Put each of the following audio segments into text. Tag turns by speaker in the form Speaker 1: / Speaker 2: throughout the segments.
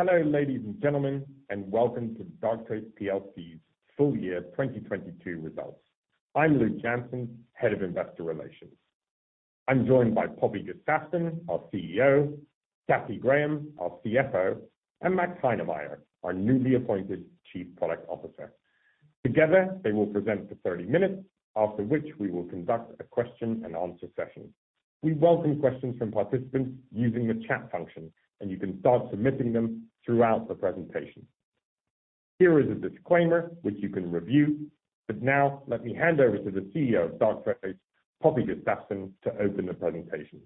Speaker 1: Hello, ladies and gentlemen, and welcome to Darktrace PLC's full year 2022 results. I'm Luk Janssens, Head of Investor Relations. I'm joined by Poppy Gustafsson, our CEO, Cathy Graham, our CFO, and Max Heinemeyer, our newly appointed Chief Product Officer. Together, they will present for 30 minutes, after which we will conduct a question and answer session. We welcome questions from participants using the chat function, and you can start submitting them throughout the presentation. Here is a disclaimer which you can review, but now let me hand over to the CEO of Darktrace, Poppy Gustafsson, to open the presentation.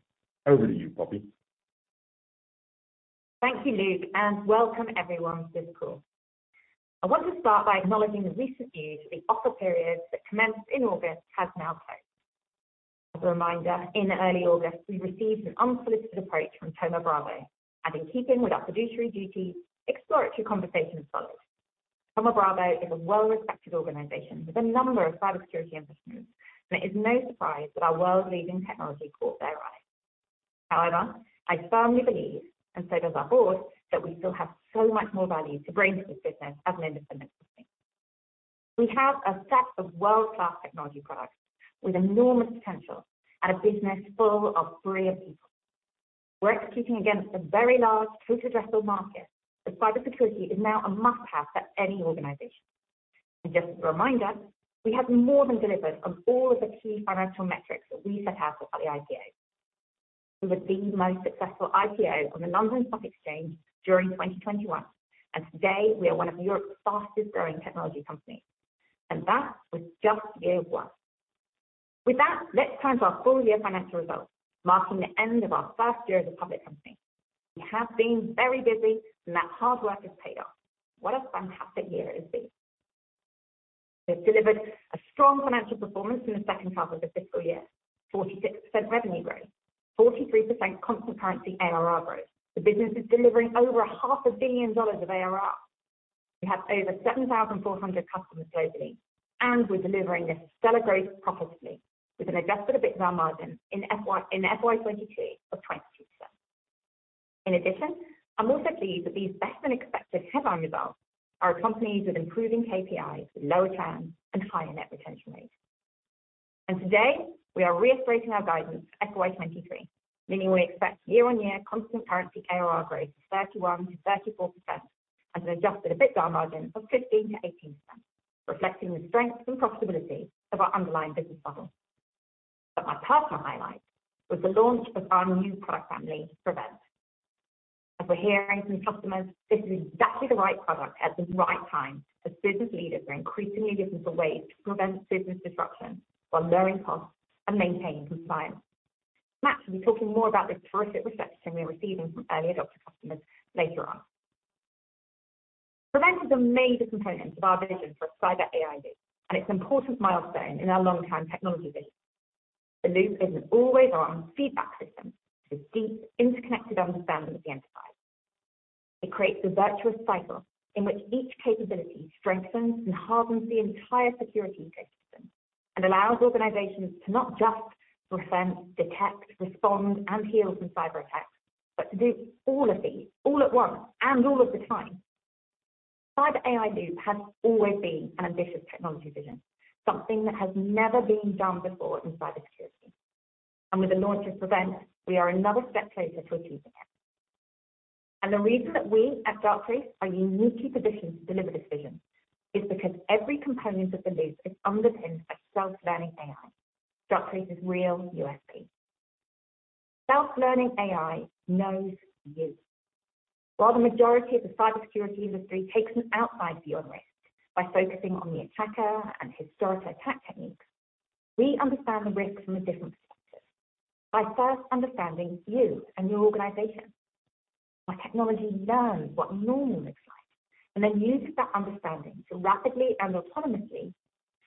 Speaker 1: Over to you, Poppy.
Speaker 2: Thank you, Luk, and welcome everyone to this call. I want to start by acknowledging the recent news that the offer period that commenced in August has now closed. As a reminder, in early August, we received an unsolicited approach from Thoma Bravo, and in keeping with our fiduciary duty, exploratory conversations followed. Thoma Bravo is a well-respected organization with a number of cybersecurity investments, and it is no surprise that our world-leading technology caught their eye. However, I firmly believe, and so does our board, that we still have so much more value to bring to this business as an independent company. We have a set of world-class technology products with enormous potential and a business full of brilliant people. We're executing against a very large total addressable market, as cybersecurity is now a must-have for any organization. Just a reminder, we have more than delivered on all of the key financial metrics that we set out at the IPO. We were the most successful IPO on the London Stock Exchange during 2021, and today we are one of Europe's fastest growing technology companies, and that was just year one. With that, let's turn to our full year financial results, marking the end of our first year as a public company. We have been very busy and that hard work has paid off. What a fantastic year it has been. We've delivered a strong financial performance in the second half of the fiscal year. 46% revenue growth, 43% constant currency ARR growth. The business is delivering over $500 million of ARR. We have over 7,400 customers globally, and we're delivering this stellar growth profitably with an adjusted EBITDA margin in FY, in FY 2022 of 22%. In addition, I'm also pleased that these better than expected headline results are accompanied with improving KPIs, lower churn and higher net retention rates. Today, we are reiterating our guidance for FY 2023, meaning we expect year-on-year constant currency ARR growth of 31%-34% and an adjusted EBITDA margin of 15%-18%, reflecting the strength and profitability of our underlying business model. My personal highlight was the launch of our new product family, PREVENT. As we're hearing from customers, this is exactly the right product at the right time, as business leaders are increasingly looking for ways to prevent business disruption while lowering costs and maintaining compliance. Max will be talking more about this terrific reception we're receiving from early adopter customers later on. PREVENT is a major component of our vision for a Cyber AI Loop, and it's an important milestone in our long-term technology vision. The loop is an always-on feedback system with deep, interconnected understanding of the enterprise. It creates a virtuous cycle in which each capability strengthens and hardens the entire security ecosystem and allows organizations to not just prevent, DETECT, RESPOND, and HEAL from cyberattacks, but to do all of these all at once and all of the time. Cyber AI Loop has always been an ambitious technology vision, something that has never been done before in cybersecurity. With the launch of PREVENT, we are another step closer to achieving it. The reason that we at Darktrace are uniquely positioned to deliver this vision is because every component of the loop is underpinned by Self-Learning AI, Darktrace's real USP. Self-Learning AI knows you. While the majority of the cybersecurity industry takes an outside view on risk by focusing on the attacker and historical attack techniques, we understand the risk from a different perspective. By first understanding you and your organization, our technology learns what normal looks like, and then uses that understanding to rapidly and autonomously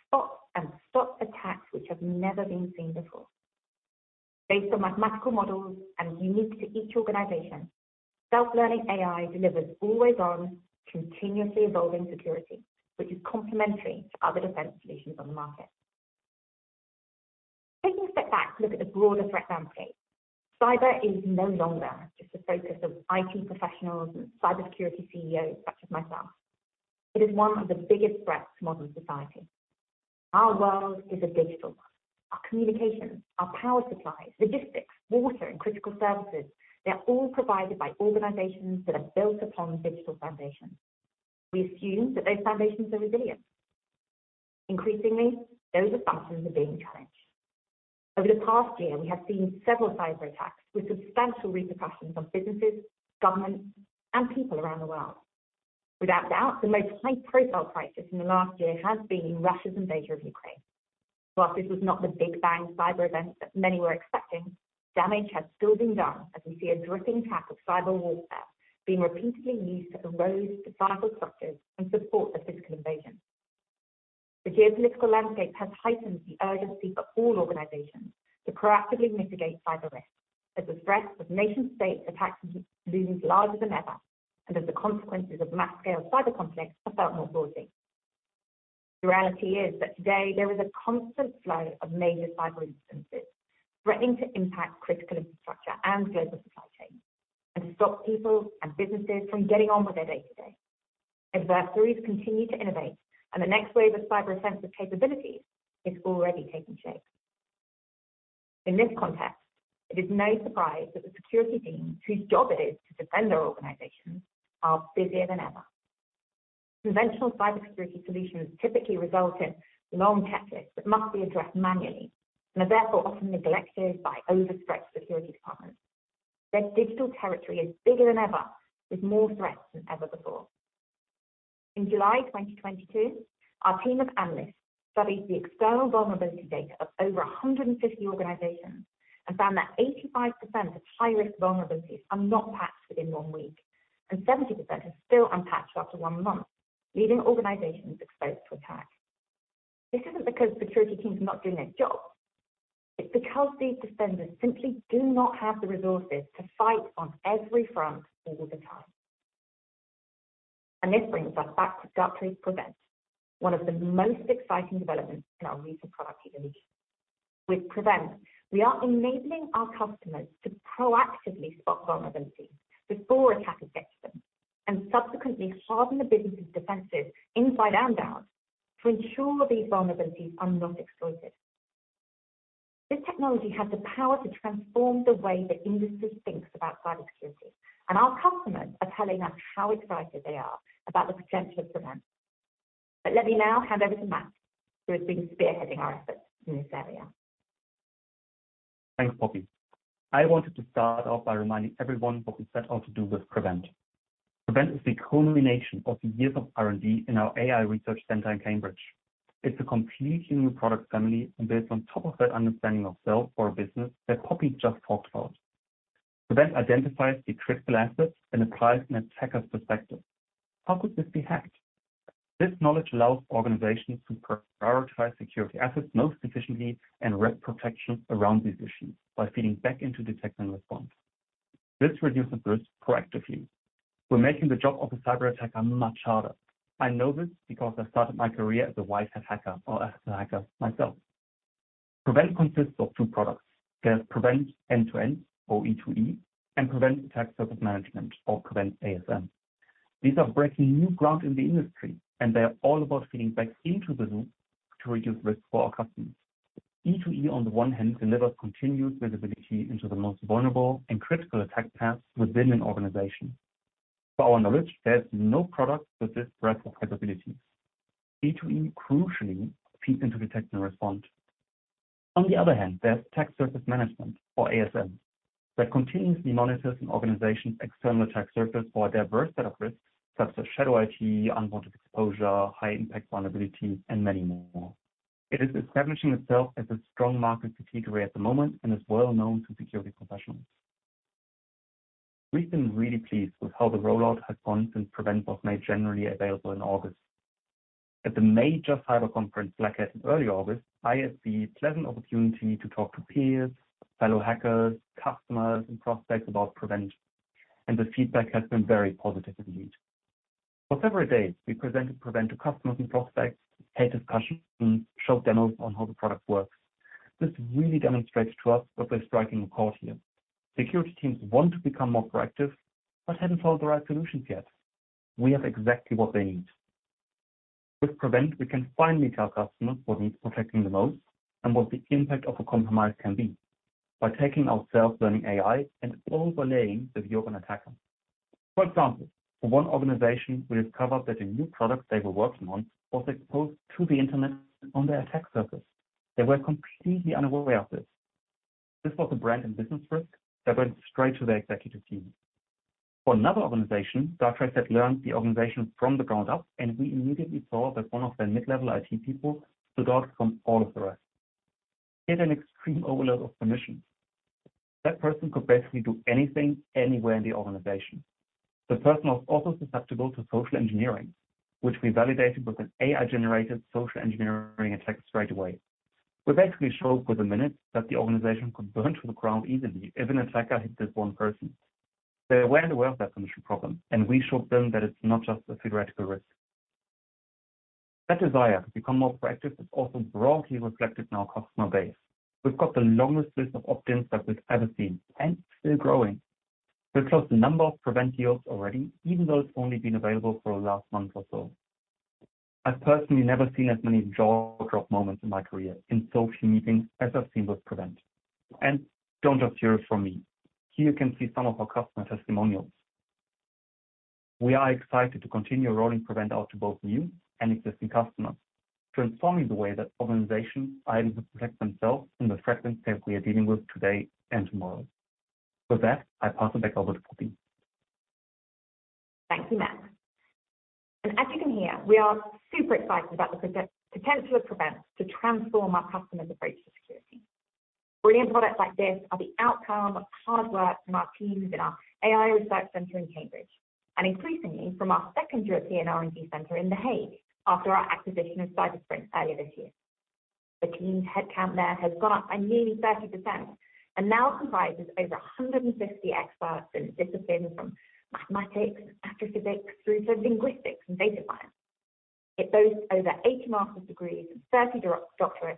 Speaker 2: spot and stop attacks which have never been seen before. Based on mathematical models and unique to each organization, Self-Learning AI delivers always-on, continuously evolving security, which is complementary to other defense solutions on the market. Taking a step back to look at the broader threat landscape, cyber is no longer just the focus of IT professionals and cybersecurity CEOs such as myself. It is one of the biggest threats to modern society. Our world is a digital one. Our communications, our power supplies, logistics, water, and critical services, they're all provided by organizations that are built upon digital foundations. We assume that those foundations are resilient. Increasingly, those assumptions are being challenged. Over the past year, we have seen several cyberattacks with substantial repercussions on businesses, governments, and people around the world. Without doubt, the most high-profile crisis in the last year has been Russia's invasion of Ukraine. While this was not the big bang cyber event that many were expecting, damage has still been done as we see a dripping tap of cyber warfare being repeatedly used to erode societal structures and support the physical invasion. The geopolitical landscape has heightened the urgency for all organizations to proactively mitigate cyber risk, as the threat of nation-state attacks looms larger than ever, and as the consequences of mass scale cyber conflicts are felt more broadly. The reality is that today there is a constant flow of major cyber incidents threatening to impact critical infrastructure and global supply chains, and to stop people and businesses from getting on with their day-to-day. Adversaries continue to innovate, and the next wave of cyber offensive capabilities is already taking shape. In this context, it is no surprise that the security teams whose job it is to defend their organizations are busier than ever. Conventional cybersecurity solutions typically result in long checklists that must be addressed manually and are therefore often neglected by overstretched security departments. Their digital territory is bigger than ever, with more threats than ever before. In July 2022, our team of analysts studied the external vulnerability data of over 150 organizations and found that 85% of high-risk vulnerabilities are not patched within one week, and 70% are still unpatched after one month, leaving organizations exposed to attack. This isn't because security teams are not doing their jobs. It's because these defenders simply do not have the resources to fight on every front all the time. This brings us back to Darktrace PREVENT, one of the most exciting developments in our recent product evolution. With PREVENT, we are enabling our customers to proactively spot vulnerabilities before attackers get to them, and subsequently harden the business's defenses inside and out to ensure these vulnerabilities are not exploited. This technology has the power to transform the way the industry thinks about cybersecurity, and our customers are telling us how excited they are about the potential of PREVENT. Let me now hand over to Max, who has been spearheading our efforts in this area.
Speaker 3: Thanks, Poppy. I wanted to start off by reminding everyone what we set out to do with PREVENT. PREVENT is the culmination of years of R&D in our AI research center in Cambridge. It's a completely new product family, and built on top of that understanding of self of the business that Poppy just talked about. PREVENT identifies the critical assets and applies an attacker's perspective. How could this be hacked? This knowledge allows organizations to prioritize security assets most efficiently and wrap protection around these issues by feeding back into DETECT and RESPOND. This reduces risk proactively. We're making the job of a cyber attacker much harder. I know this because I started my career as a white hat hacker or ethical hacker myself. PREVENT consists of two products. There's PREVENT End-to-End, or E2E, and PREVENT Attack Surface Management, or PREVENT ASM. These are breaking new ground in the industry, and they are all about feeding back into the loop to reduce risk for our customers. E2E, on the one hand, delivers continuous visibility into the most vulnerable and critical attack paths within an organization. To our knowledge, there's no product with this breadth of capabilities. E2E crucially feeds into DETECT and RESPOND. On the other hand, there's Attack Surface Management, or ASM, that continuously monitors an organization's external attack surface for a diverse set of risks such as shadow IT, unwanted exposure, high impact vulnerability, and many more. It is establishing itself as a strong market category at the moment and is well known to security professionals. We've been really pleased with how the rollout has gone since PREVENT was made generally available in August. At the major cyber conference Black Hat in early August, I had the pleasant opportunity to talk to peers, fellow hackers, customers, and prospects about PREVENT, and the feedback has been very positive indeed. For several days, we presented PREVENT to customers and prospects, had discussions, and showed demos on how the product works. This really demonstrates to us that we're striking a chord here. Security teams want to become more proactive but haven't found the right solutions yet. We have exactly what they need. With PREVENT, we can finally tell customers what needs protecting the most and what the impact of a compromise can be by taking our Self-Learning AI and overlaying the view of an attacker. For example, for one organization, we discovered that a new product they were working on was exposed to the internet on their attack surface. They were completely unaware of this. This was a brand and business risk that went straight to their executive team. For another organization, Darktrace had learned the organization from the ground up, and we immediately saw that one of their mid-level IT people stood out from all of the rest. He had an extreme overload of permissions. That person could basically do anything, anywhere in the organization. The person was also susceptible to social engineering, which we validated with an AI-generated social engineering attack straight away. We basically showed within minutes that the organization could burn to the ground easily if an attacker hit this one person. They were aware of their permission problem, and we showed them that it's not just a theoretical risk. That desire to become more proactive is also broadly reflected in our customer base. We've got the longest list of opt-ins that we've ever seen, and it's still growing. We've closed a number of PREVENT deals already, even though it's only been available for the last month or so. I've personally never seen as many jaw-dropping moments in my career in sales meetings as I've seen with PREVENT. Don't just hear it from me. Here you can see some of our customer testimonials. We are excited to continue rolling PREVENT out to both new and existing customers, transforming the way that organizations are able to protect themselves from the threat landscape we are dealing with today and tomorrow. With that, I pass it back over to Poppy.
Speaker 2: Thank you, Max. As you can hear, we are super excited about the potential of PREVENT to transform our customers' approach to security. Brilliant products like this are the outcome of hard work from our teams in our AI research center in Cambridge, and increasingly from our secondary R&D center in The Hague, after our acquisition of Cybersprint earlier this year. The team's headcount there has gone up by nearly 30% and now comprises over 150 experts in disciplines from mathematics and astrophysics through to linguistics and data science. It boasts over 80 master's degrees and 30 doctorates,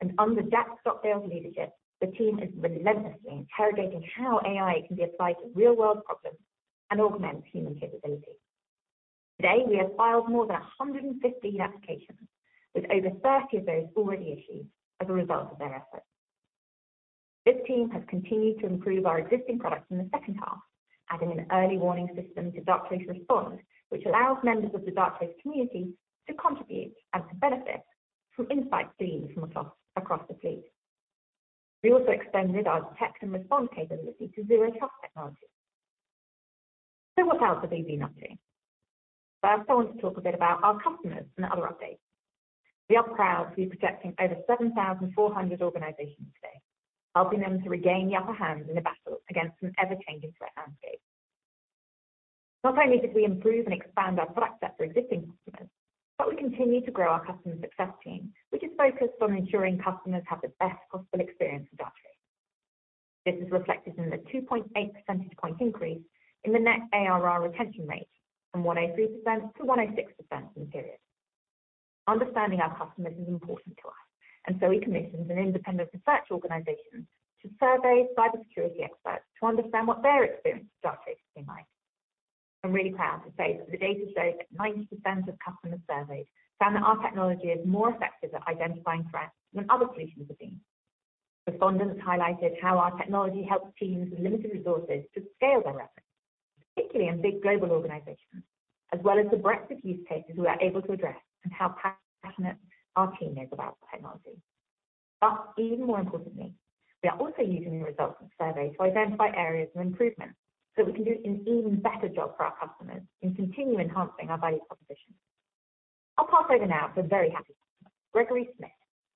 Speaker 2: and under Jack Stockdale's leadership, the team is relentlessly interrogating how AI can be applied to real-world problems and augment human capability. Today, we have filed more than 150 applications, with over 30 of those already issued as a result of their efforts. This team has continued to improve our existing products in the second half, adding an early warning system to Darktrace RESPOND, which allows members of the Darktrace community to contribute and to benefit from insights gleaned from across the fleet. We also expanded our DETECT and RESPOND capability to zero trust technology. What else have we been up to? I also want to talk a bit about our customers and other updates. We are proud to be protecting over 7,400 organizations today, helping them to regain the upper hand in the battle against an ever-changing threat landscape. Not only did we improve and expand our product set for existing customers, but we continued to grow our customer success team, which is focused on ensuring customers have the best possible experience with Darktrace. This is reflected in the 2.8 percentage point increase in the net ARR retention rate from 103% to 106% in the period. Understanding our customers is important to us, and so we commissioned an independent research organization to survey cybersecurity experts to understand what their experience of Darktrace has been like. I'm really proud to say that the data shows that 90% of customers surveyed found that our technology is more effective at identifying threats than other solutions have been. Respondents highlighted how our technology helps teams with limited resources to scale their efforts, particularly in big global organizations, as well as the breadth of use cases we are able to address and how passionate our team is about the technology. Even more importantly, we are also using the results of the survey to identify areas of improvement so that we can do an even better job for our customers in continuing enhancing our value proposition. I'll pass over now to a very happy customer, Gregory Smith,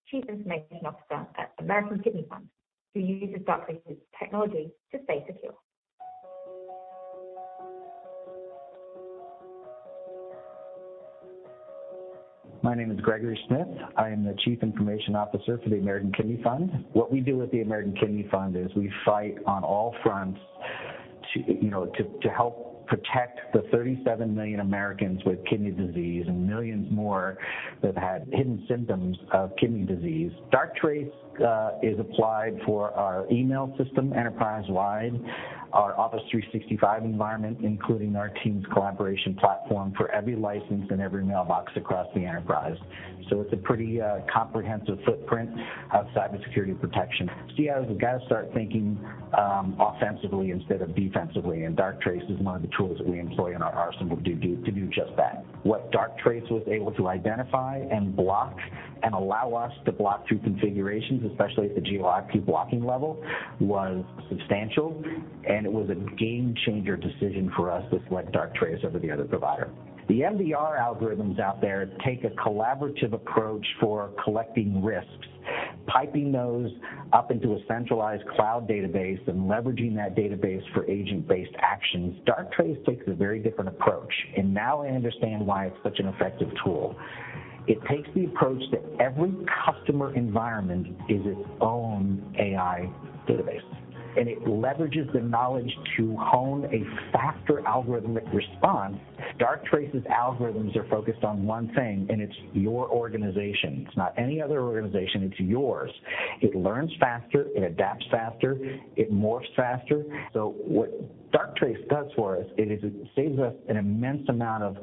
Speaker 2: Chief Information Officer at American Kidney Fund, who uses Darktrace's technology to stay secure.
Speaker 4: My name is Gregory Smith. I am the Chief Information Officer for the American Kidney Fund. What we do at the American Kidney Fund is we fight on all fronts to, you know, to help protect the 37 million Americans with kidney disease and millions more that have hidden symptoms of kidney disease. Darktrace is applied for our email system enterprise-wide, our Microsoft 365 environment, including our Teams collaboration platform for every license and every mailbox across the enterprise. It's a pretty comprehensive footprint of cybersecurity protection. CIOs have got to start thinking offensively instead of defensively, and Darktrace is one of the tools that we employ in our arsenal to do just that. What Darktrace was able to identify and block and allow us to block through configurations, especially at the GeoIP blocking level, was substantial, and it was a game-changer decision for us to select Darktrace over the other provider. The MDR algorithms out there take a collaborative approach for collecting risks, piping those up into a centralized cloud database, and leveraging that database for agent-based actions. Darktrace takes a very different approach, and now I understand why it's such an effective tool. It takes the approach that every customer environment is its own AI database, and it leverages the knowledge to hone a faster algorithmic response. Darktrace's algorithms are focused on one thing, and it's your organization. It's not any other organization, it's yours. It learns faster, it adapts faster, it morphs faster. What Darktrace does for us is it saves us an immense amount of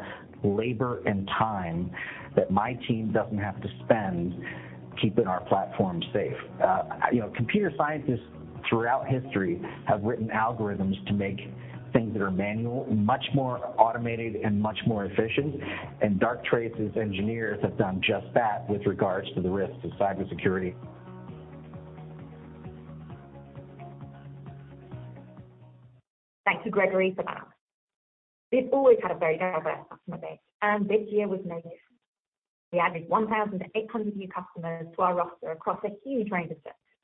Speaker 4: labor and time that my team doesn't have to spend keeping our platform safe. You know, computer scientists throughout history have written algorithms to make things that are manual much more automated and much more efficient, and Darktrace's engineers have done just that with regards to the risks of cybersecurity.
Speaker 2: Thank you, Gregory, for that. We've always had a very diverse customer base, and this year was no different. We added 1,800 new customers to our roster across a huge range of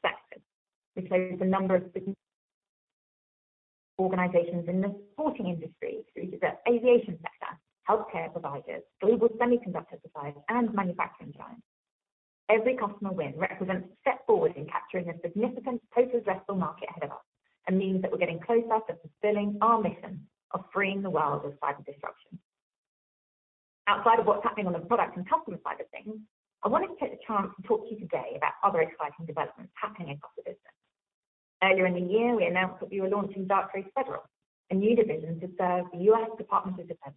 Speaker 2: sectors. We closed a number of significant organizations in the sporting industry through to the aviation sector, healthcare providers, global semiconductor suppliers, and manufacturing giants. Every customer win represents a step forward in capturing the significant total addressable market ahead of us and means that we're getting closer to fulfilling our mission of freeing the world of cyber disruption. Outside of what's happening on the product and customer side of things, I wanted to take the chance to talk to you today about other exciting developments happening across the business. Earlier in the year, we announced that we were launching Darktrace Federal, a new division to serve the U.S. Department of Defense,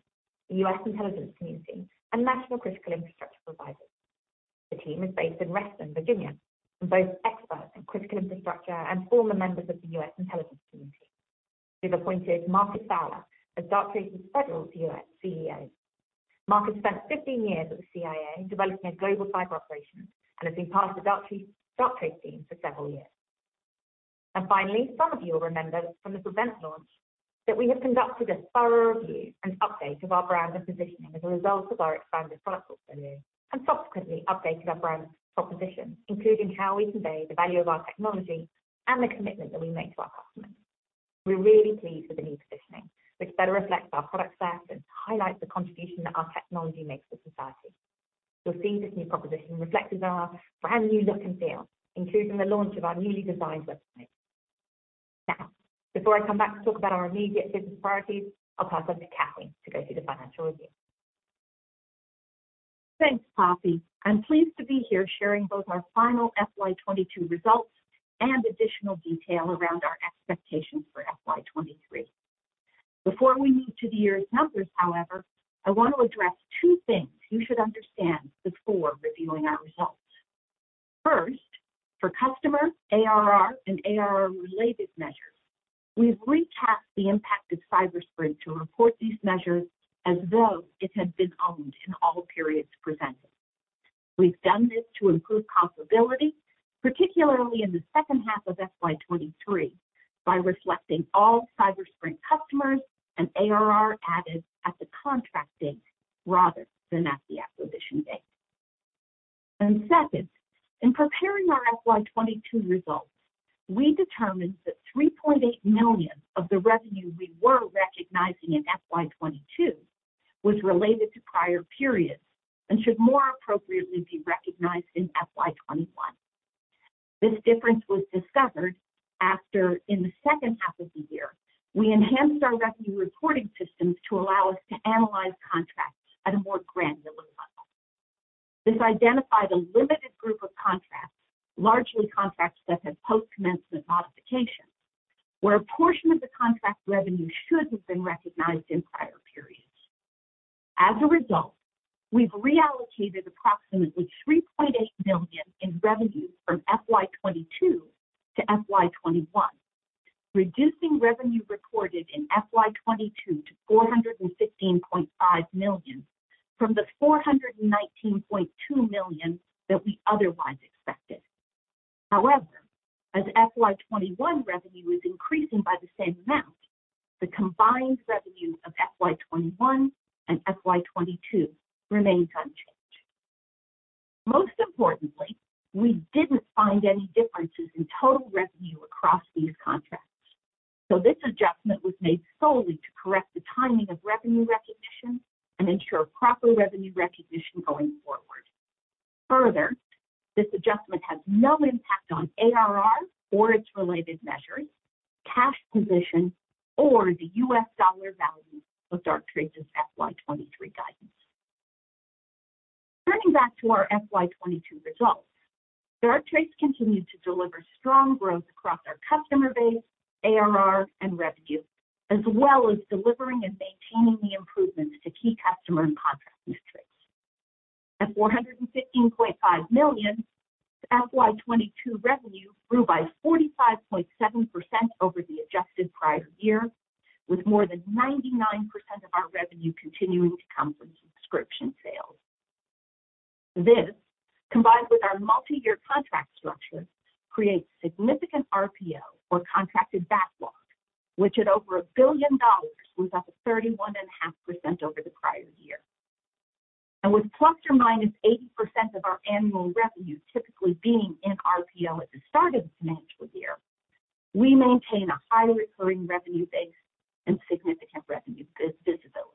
Speaker 2: the U.S. Intelligence Community, and national critical infrastructure providers. The team is based in Reston, Virginia, and both experts in critical infrastructure and former members of the U.S. Intelligence Community. We've appointed Marcus Fowler as Darktrace Federal CEO. Marcus spent 15 years at the CIA developing a global cyber operation and has been part of the Darktrace team for several years. Finally, some of you will remember from the PREVENT launch that we have conducted a thorough review and update of our brand and positioning as a result of our expanded product portfolio and subsequently updated our brand proposition, including how we convey the value of our technology and the commitment that we make to our customers. We're really pleased with the new positioning, which better reflects our product set and highlights the contribution that our technology makes to society. You'll see this new proposition reflected in our brand-new look and feel, including the launch of our newly designed website. Now, before I come back to talk about our immediate business priorities, I'll pass on to Cathy to go through the financial review.
Speaker 5: Thanks, Poppy. I'm pleased to be here sharing both our final FY 2022 results and additional detail around our expectations for FY 2023. Before we move to the year's numbers, however, I want to address two things you should understand before reviewing our results. First, for customer ARR and ARR-related measures, we've recast the impact of Cybersprint to report these measures as though it had been owned in all periods presented. We've done this to improve comparability, particularly in the second half of FY 2023, by reflecting all Cybersprint customers and ARR added at the contract date rather than at the acquisition date. Second, in preparing our FY 2022 results, we determined that 3.8 million of the revenue we were recognizing in FY 2022 was related to prior periods and should more appropriately be recognized in FY 2021. This difference was discovered after, in the second half of the year, we enhanced our revenue reporting systems to allow us to analyze contracts at a more granular level. This identified a limited group of contracts, largely contracts that had post-commencement modifications, where a portion of the contract revenue should have been recognized in prior periods. As a result, we've reallocated approximately 3.8 million in revenue from FY 2022 to FY 2021, reducing revenue recorded in FY 2022 to 416.5 million from the 419.2 million that we otherwise expected. However, as FY 2021 revenue is increasing by the same amount, the combined revenue of FY 2021 and FY 2022 remains unchanged. Most importantly, we didn't find any differences in total revenue across these contracts. This adjustment was made solely to correct the timing of revenue recognition and ensure proper revenue recognition going forward. Further, this adjustment has no impact on ARR or its related measures, cash position, or the US dollar value of Darktrace's FY 2023 guidance. Turning back to our FY 2022 results, Darktrace continued to deliver strong growth across our customer base, ARR, and revenue, as well as delivering and maintaining the improvements to key customer and contract metrics. At 416.5 million, the FY 2022 revenue grew by 45.7% over the adjusted prior year, with more than 99% of our revenue continuing to come from subscription sales. This, combined with our multi-year contract structure, creates significant RPO or contracted backlog, which at over $1 billion was up 31.5% over the prior year. With ±80% of our annual revenue typically being in RPO at the start of the financial year, we maintain a high recurring revenue base and significant revenue visibility.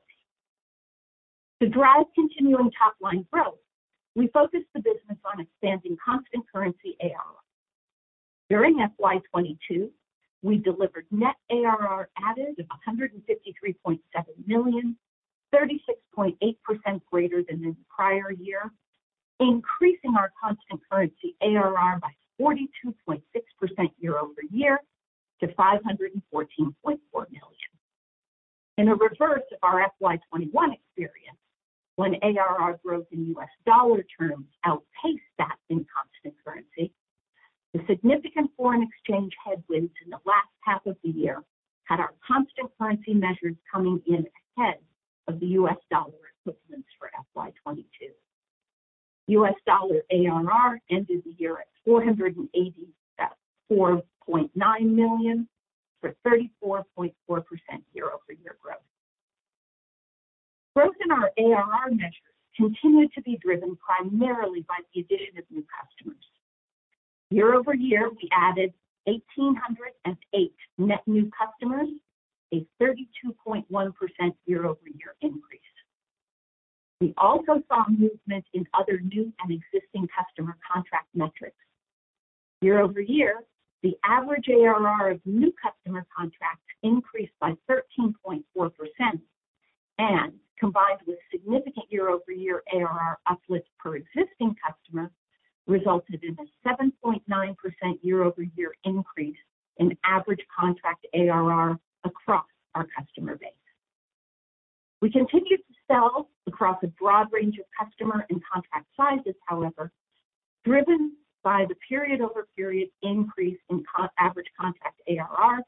Speaker 5: To drive continuing top-line growth, we focused the business on expanding constant currency ARR. During FY 2022, we delivered net ARR added of 153.7 million, 36.8% greater than the prior year, increasing our constant currency ARR by 42.6% year-over-year to 514.4 million. In a reverse of our FY 2021 experience, when ARR growth in US dollar terms outpaced that in constant currency, the significant foreign exchange headwinds in the last half of the year had our constant currency measures coming in ahead of the US dollar equivalents for FY 2022. USD ARR ended the year at $484.9 million, for 34.4% year-over-year growth. Growth in our ARR measures continued to be driven primarily by the addition of new customers. Year-over-year, we added 1,808 net new customers, a 32.1% year-over-year increase. We also saw movement in other new and existing customer contract metrics. Year-over-year, the average ARR of new customer contracts increased by 13.4%, and combined with significant year-over-year ARR uplift per existing customer resulted in a 7.9% year-over-year increase in average contract ARR across our customer base. We continued to sell across a broad range of customer and contract sizes, however, driven by the period-over-period increase in average contract ARR,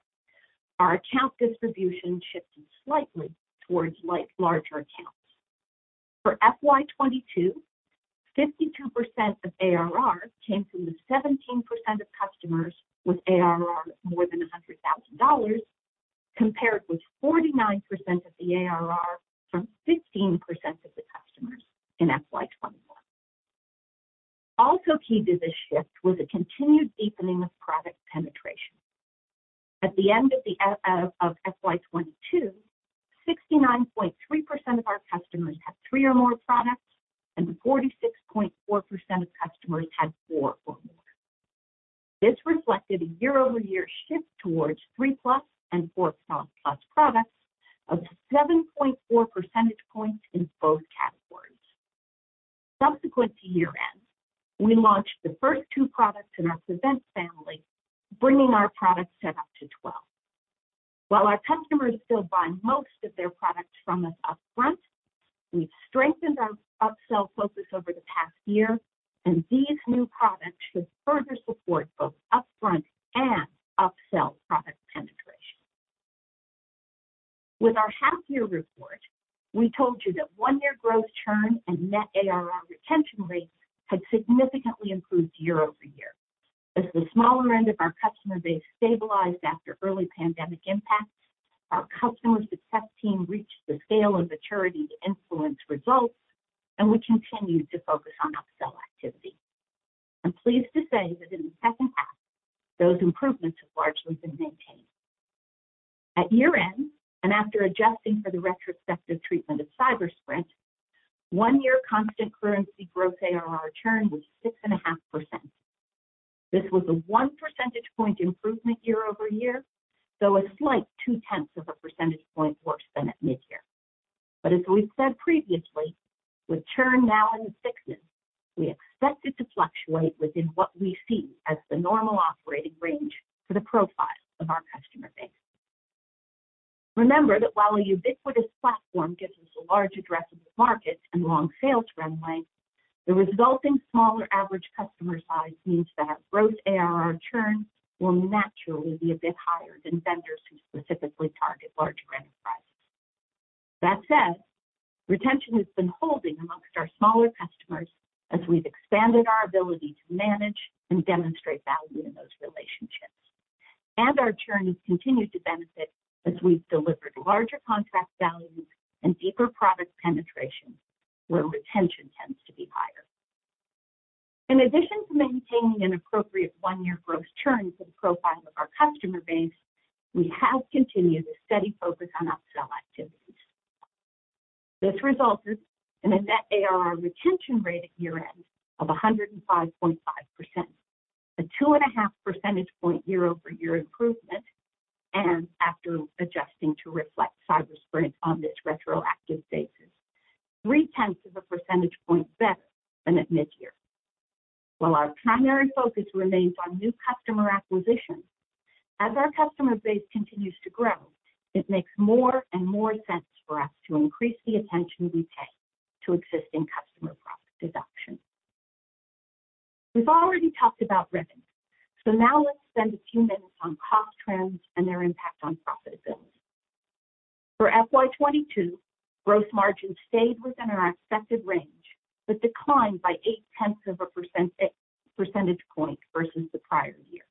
Speaker 5: our account distribution shifted slightly towards larger accounts. For FY 2022, 52% of ARR came from the 17% of customers with ARR of more than $100,000, compared with 49% of the ARR from 15% of the customers in FY 2021. Key to this shift was a continued deepening of product penetration. At the end of FY 2022, 69.3% of our customers had three or more products, and 46.4% of customers had four or more. This reflected a year-over-year shift towards 3+ and 4+ products of 7.4 percentage points in both categories. Subsequent to year-end, we launched the first two products in our Prevent family, bringing our product set up to 12. While our customers still buy most of their products from us upfront, we've strengthened our upsell focus over the past year, and these new products should further support both upfront and upsell product penetration. With our half-year report, we told you that one-year growth churn and net ARR retention rates had significantly improved year-over-year. As the smaller end of our customer base stabilized after early pandemic impacts, our customer success team reached the scale and maturity to influence results, and we continued to focus on upsell activity. I'm pleased to say that in the second half, those improvements have largely been maintained. At year-end, and after adjusting for the retrospective treatment of Cybersprint, one-year constant currency growth ARR churn was 6.5%. This was a 1 percentage point improvement year-over-year, though a slight 0.2 percentage point worse than at mid-year. As we've said previously, with churn now in the sixes, we expect it to fluctuate within what we see as the normal operating range for the profile of our customer base. Remember that while a ubiquitous platform gives us a large addressable market and long sales ramp length, the resulting smaller average customer size means that growth ARR churn will naturally be a bit higher than vendors who specifically target larger enterprise. That said, retention has been holding among our smaller customers as we've expanded our ability to manage and demonstrate value in those relationships. Our churn has continued to benefit as we've delivered larger contract values and deeper product penetration where retention tends to be higher. In addition to maintaining an appropriate one-year growth churn for the profile of our customer base, we have continued a steady focus on upsell activities. This resulted in a net ARR retention rate at year-end of 105.5%, a 2.5 percentage point year-over-year improvement, and after adjusting to reflect Cybersprint on this retroactive basis, 0.3 percentage point better than at mid-year. While our primary focus remains on new customer acquisition, as our customer base continues to grow, it makes more and more sense for us to increase the attention we pay to existing customer product adoption. We've already talked about revenue, so now let's spend a few minutes on cost trends and their impact on profitability. For FY 2022, gross margin stayed within our expected range, but declined by 0.8 percentage point versus the prior year.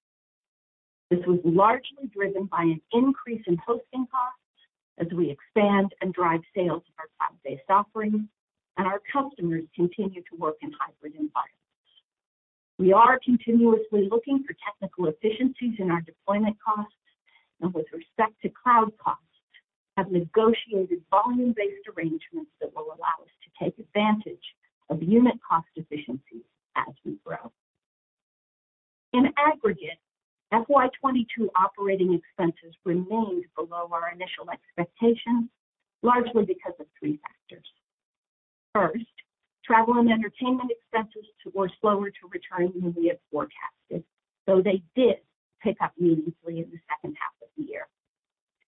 Speaker 5: This was largely driven by an increase in hosting costs as we expand and drive sales of our cloud-based offerings, and our customers continue to work in hybrid environments. We are continuously looking for technical efficiencies in our deployment costs, and with respect to cloud costs, have negotiated volume-based arrangements that will allow us to take advantage of unit cost efficiencies as we grow. In aggregate, FY 2022 operating expenses remained below our initial expectations, largely because of three factors. First, travel and entertainment expenses were slower to return than we had forecasted, though they did pick up meaningfully in the second half of the year.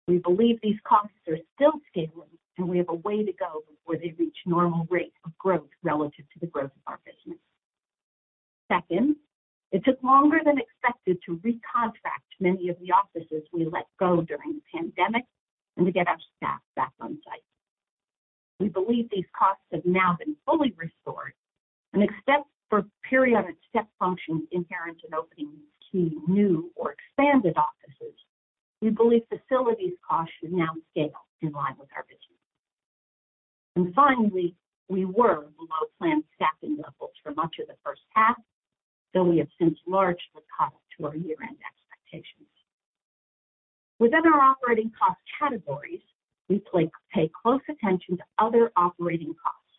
Speaker 5: We believe these costs are still scaling, and we have a way to go before they reach normal rates of growth relative to the growth of our business. Second, it took longer than expected to recontract many of the offices we let go during the pandemic and to get our staff back on site. We believe these costs have now been fully restored, and except for periodic step functions inherent in opening these key new or expanded offices, we believe facilities costs should now scale in line with our business. Finally, we were below planned staffing levels for much of the first half, though we have since largely caught up to our year-end expectations. Within our operating cost categories, we pay close attention to other operating costs,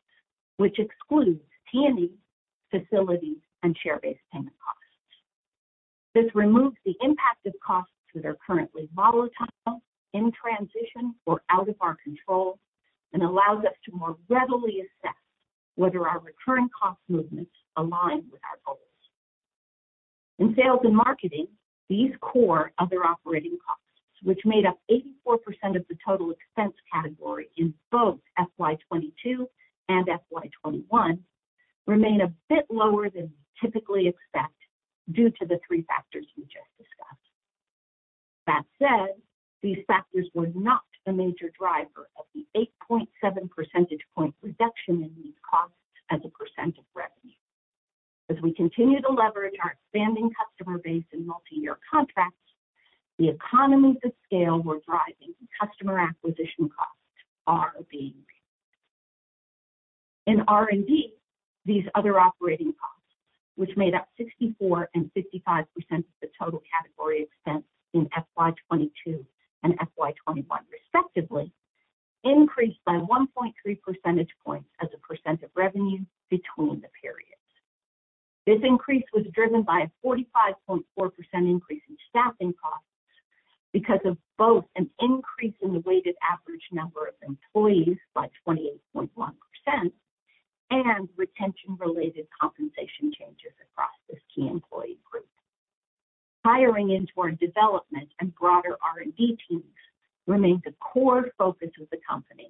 Speaker 5: which excludes T&E, facilities, and share-based payment costs. This removes the impact of costs that are currently volatile, in transition, or out of our control, and allows us to more readily assess whether our recurring cost movements align with our goals. In sales and marketing, these core other operating costs, which made up 84% of the total expense category in both FY 2022 and FY 2021, remain a bit lower than we typically expect due to the three factors we just discussed. That said, these factors were not the major driver of the 8.7 percentage point reduction in these costs as a percent of revenue. As we continue to leverage our expanding customer base and multi-year contracts. The economies of scale we're driving and customer acquisition costs are being reached. In R&D, these other operating costs, which made up 64% and 55% of the total category expense in FY 2022 and FY 2021 respectively, increased by 1.3 percentage points as a percent of revenue between the periods. This increase was driven by a 45.4% increase in staffing costs because of both an increase in the weighted average number of employees by 28.1% and retention-related compensation changes across this key employee group. Hiring into our development and broader R&D teams remains a core focus of the company,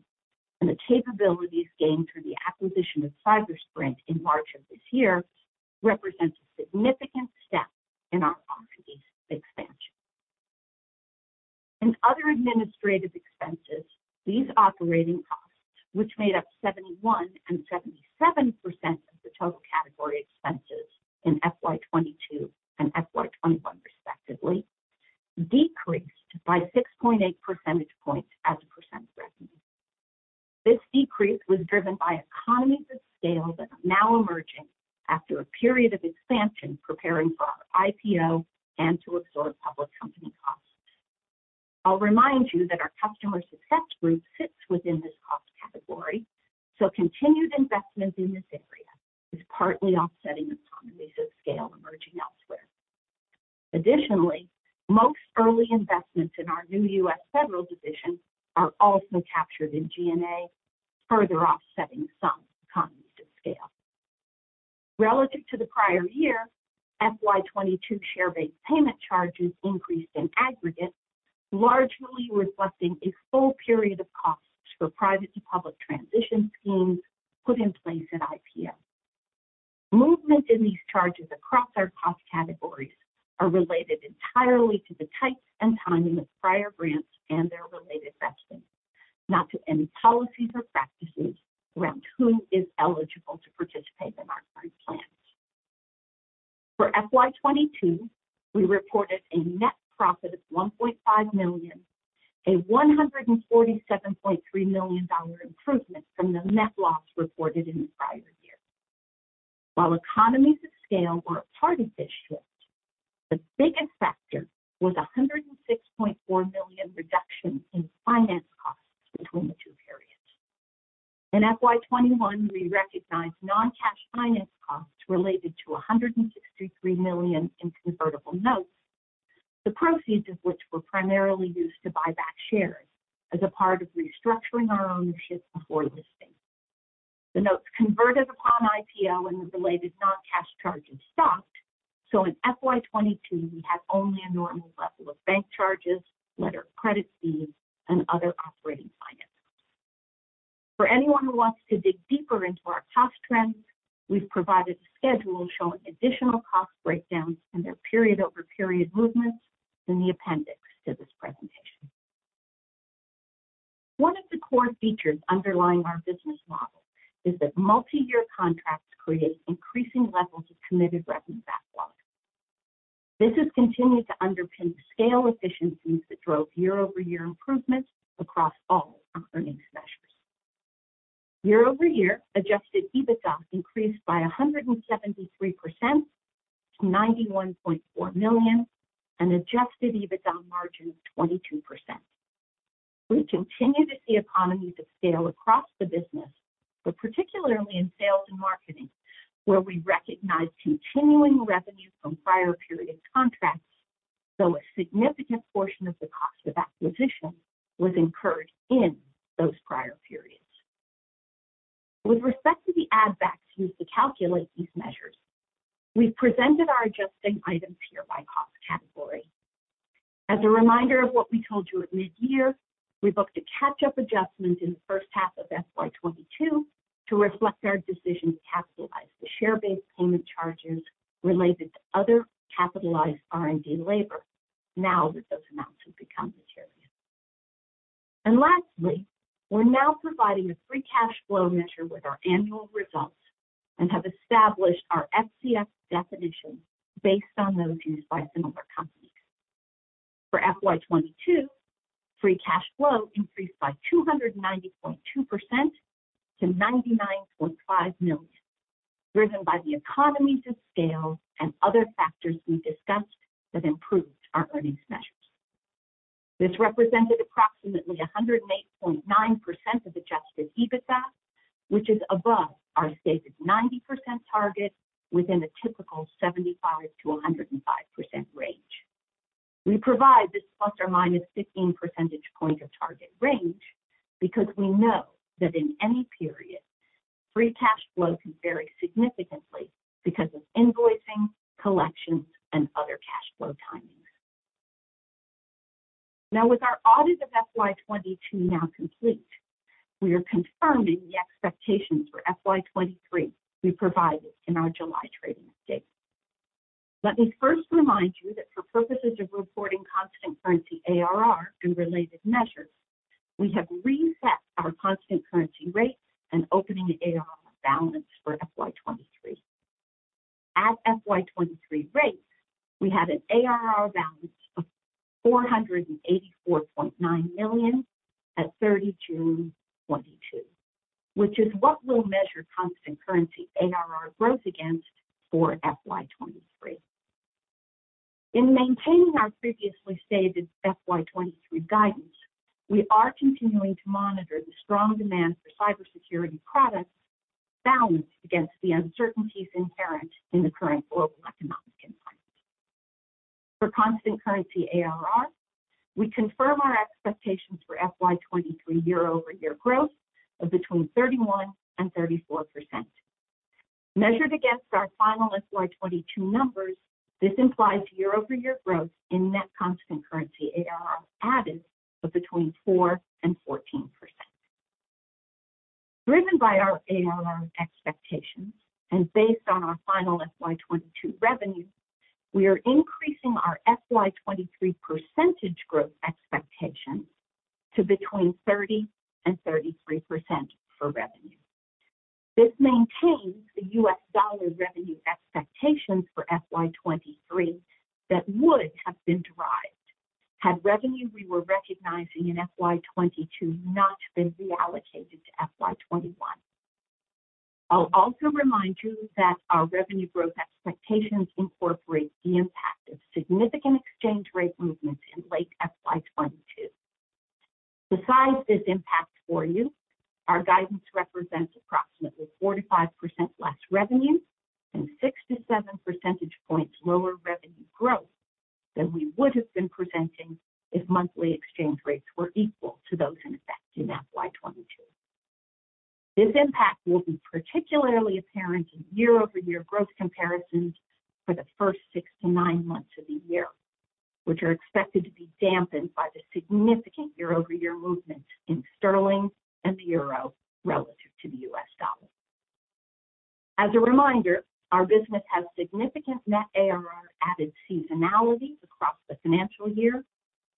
Speaker 5: and the capabilities gained through the acquisition of Cybersprint in March of this year represents a significant step in our R&D expansion. In other administrative expenses, these operating costs, which made up 71% and 77% of the total category expenses in FY 2022 and FY 2021 respectively, decreased by 6.8 percentage points as a percent of revenue. This decrease was driven by economies of scale that are now emerging after a period of expansion preparing for our IPO and to absorb public company costs. I'll remind you that our customer success group sits within this cost category, so continued investment in this area is partly offsetting economies of scale emerging elsewhere. Additionally, most early investments in our new U.S. federal division are also captured in G&A, further offsetting some economies of scale. Relative to the prior year, FY 2022 share-based payment charges increased in aggregate, largely reflecting a full period of costs for private to public transition schemes put in place at IPO. Movement in these charges across our cost categories are related entirely to the type and timing of prior grants and their related vesting, not to any policies or practices around who is eligible to participate in our current plans. For FY 2022, we reported a net profit of $1.5 million, a $147.3 million improvement from the net loss reported in the prior year. While economies of scale were a part of this shift, the biggest factor was a 106.4 million reduction in finance costs between the two periods. In FY 2021, we recognized non-cash finance costs related to 163 million in convertible notes, the proceeds of which were primarily used to buy back shares as a part of restructuring our ownership before listing. The notes converted upon IPO and the related non-cash charges stopped, so in FY 2022 we had only a normal level of bank charges, letter of credit fees, and other operating finance costs. For anyone who wants to dig deeper into our cost trends, we've provided a schedule showing additional cost breakdowns and their period-over-period movements in the appendix to this presentation. One of the core features underlying our business model is that multi-year contracts create increasing levels of committed revenue backlog. This has continued to underpin the scale efficiencies that drove year-over-year improvements across all our earnings measures. Year-over-year, adjusted EBITDA increased by 173% to 91.4 million, an adjusted EBITDA margin of 22%. We continue to see economies of scale across the business, but particularly in sales and marketing, where we recognize continuing revenue from prior period contracts, though a significant portion of the cost of acquisition was incurred in those prior periods. With respect to the add backs used to calculate these measures, we've presented our adjusting items here by cost category. As a reminder of what we told you at mid-year, we booked a catch-up adjustment in the first half of FY 2022 to reflect our decision to capitalize the share-based payment charges related to other capitalized R&D labor now that those amounts have become material. Lastly, we're now providing a free cash flow measure with our annual results and have established our FCF definition based on those used by similar companies. For FY 2022, free cash flow increased by 290.2% to 99.5 million, driven by the economies of scale and other factors we discussed that improved our earnings measures. This represented approximately 108.9% of adjusted EBITDA, which is above our stated 90% target within a typical 75%-105% range. We provide this plus or minus 15 percentage point of target range because we know that in any period, free cash flow can vary significantly because of invoicing, collections, and other cash flow timings. Now, with our audit of FY 2022 now complete, we are confirming the expectations for FY 2023 we provided in our July trading update. Let me first remind you that for purposes of reporting constant currency ARR and related measures, we have reset our constant currency rate and opening ARR balance for FY 2023. At FY 2023 rates, we had an ARR balance of 484.9 million at 30 June 2022, which is what we'll measure constant currency ARR growth against for FY 2023. In maintaining our previously stated FY 2023 guidance, we are continuing to monitor the strong demand for cybersecurity products balanced against the uncertainties inherent in the current global economic environment. For constant currency ARR, we confirm our expectations for FY 2023 year-over-year growth of between 31% and 34%. Measured against our final FY 2022 numbers, this implies year-over-year growth in net constant currency ARR added of between 4% and 14%. Driven by our ARR expectations and based on our final FY 2022 revenue, we are increasing our FY 2023 percentage growth expectation to between 30% and 33% for revenue. This maintains the US dollar revenue expectations for FY 2023 that would have been derived had revenue we were recognizing in FY 2022 not been reallocated to FY 2021. I'll also remind you that our revenue growth expectations incorporate the impact of significant exchange rate movements in late FY 2022. Besides this impact for you, our guidance represents approximately 4%-5% less revenue and 6-7 percentage points lower revenue growth than we would have been presenting if monthly exchange rates were equal to those in effect in FY 2022. This impact will be particularly apparent in year-over-year growth comparisons for the first six to nine months of the year, which are expected to be dampened by the significant year-over-year movement in sterling and the euro relative to the US dollar. As a reminder, our business has significant net ARR added seasonality across the financial year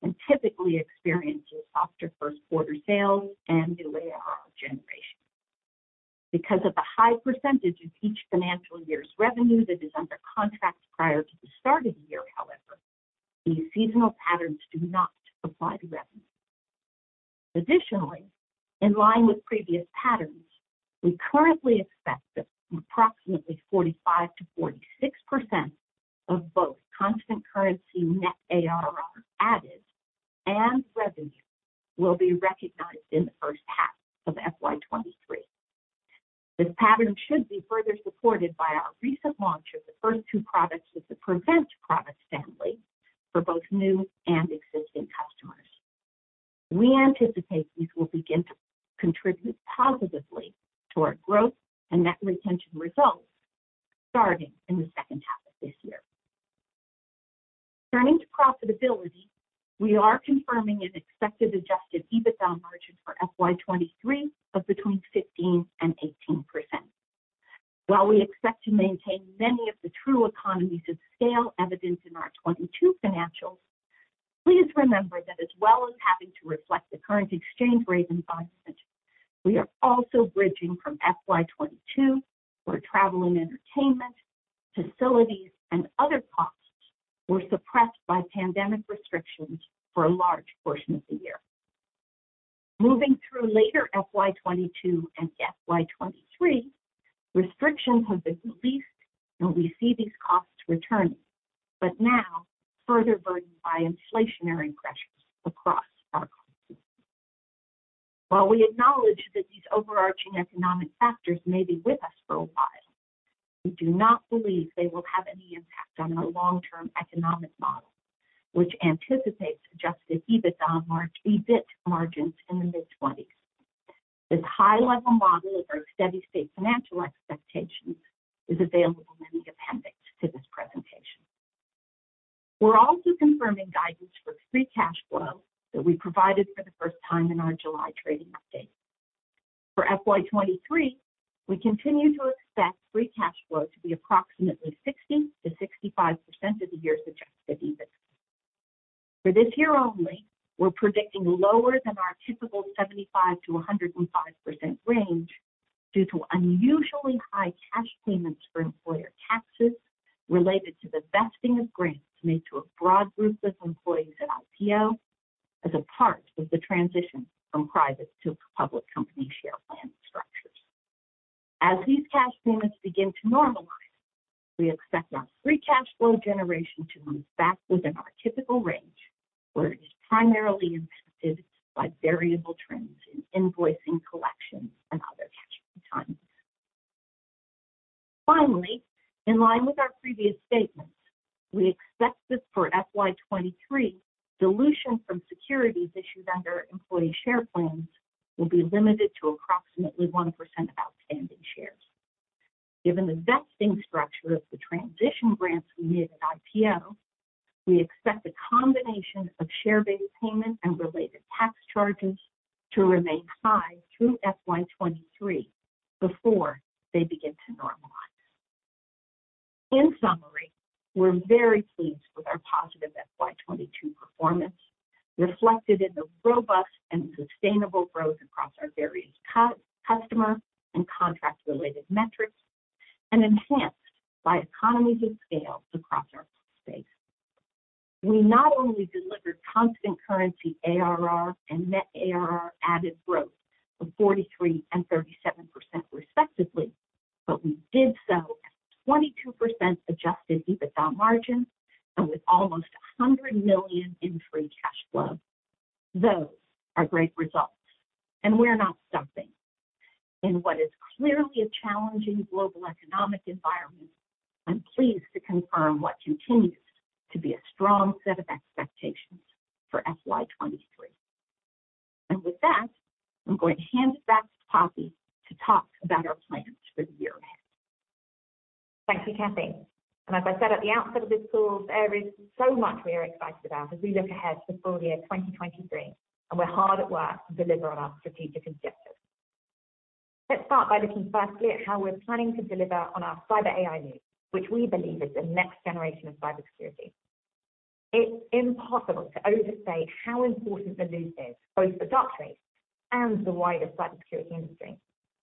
Speaker 5: and typically experiences softer first quarter sales and new ARR generation. Because of the high percentage of each financial year's revenue that is under contract prior to the start of the year, however, these seasonal patterns do not apply to revenue. Additionally, in line with previous patterns, we currently expect that approximately 45%-46% of both constant currency net ARR added and revenue will be recognized in the first half of FY 2023. This pattern should be further supported by our recent launch of the first two products of the PREVENT product family for both new and existing customers. We anticipate these will begin to contribute positively to our growth and net retention results starting in the second half of this year. Turning to profitability, we are confirming an expected adjusted EBITDA margin for FY 2023 of between 15% and 18%. While we expect to maintain many of the true economies of scale evident in our 2022 financials, please remember that as well as having to reflect the current exchange rate environment, we are also bridging from FY 2022, where travel and entertainment, facilities, and other costs were suppressed by pandemic restrictions for a large portion of the year. Moving through later FY 2022 and FY 2023, restrictions have been released, and we see these costs returning, but now further burdened by inflationary pressures across our economy. While we acknowledge that these overarching economic factors may be with us for a while, we do not believe they will have any impact on our long-term economic model, which anticipates adjusted EBIT margins in the mid-20s. This high-level model of our steady-state financial expectations is available in the appendix to this presentation. We're also confirming guidance for free cash flow that we provided for the first time in our July trading update. For FY 2023, we continue to expect free cash flow to be approximately 60%-65% of the year's adjusted EBIT. For this year only, we're predicting lower than our typical 75%-105% range due to unusually high cash payments for employer taxes related to the vesting of grants made to a broad group of employees at IPO as a part of the transition from private to public company share plan structures. As these cash payments begin to normalize, we expect our free cash flow generation to move back within our typical range, where it is primarily impacted by variable trends in invoicing collections and other cash flow timings. Finally, in line with our previous statements, we expect that for FY 2023, dilution from securities issued under employee share plans will be limited to approximately 1% of outstanding shares. Given the vesting structure of the transition grants we made at IPO, we expect a combination of share-based payments and related tax charges to remain high through FY 2023 before they begin to normalize. In summary, we're very pleased with our positive FY 2022 performance, reflected in the robust and sustainable growth across our various customer and contract-related metrics and enhanced by economies of scale across our estate. We not only delivered constant currency ARR and net ARR added growth of 43% and 37% respectively, but we did so at 22% adjusted EBITDA margin and with almost 100 million in free cash flow. Those are great results, and we're not stopping. In what is clearly a challenging global economic environment, I'm pleased to confirm what continues to be a strong set of expectations for FY 2023. With that, I'm going to hand it back to Poppy to talk about our plans for the year ahead.
Speaker 2: Thank you, Cathy. As I said at the outset of this call, there is so much we are excited about as we look ahead to full year 2023, and we're hard at work to deliver on our strategic objectives. Let's start by looking firstly at how we're planning to deliver on our Cyber AI Loop, which we believe is the next generation of cybersecurity. It's impossible to overstate how important the loop is, both for Darktrace and the wider cybersecurity industry.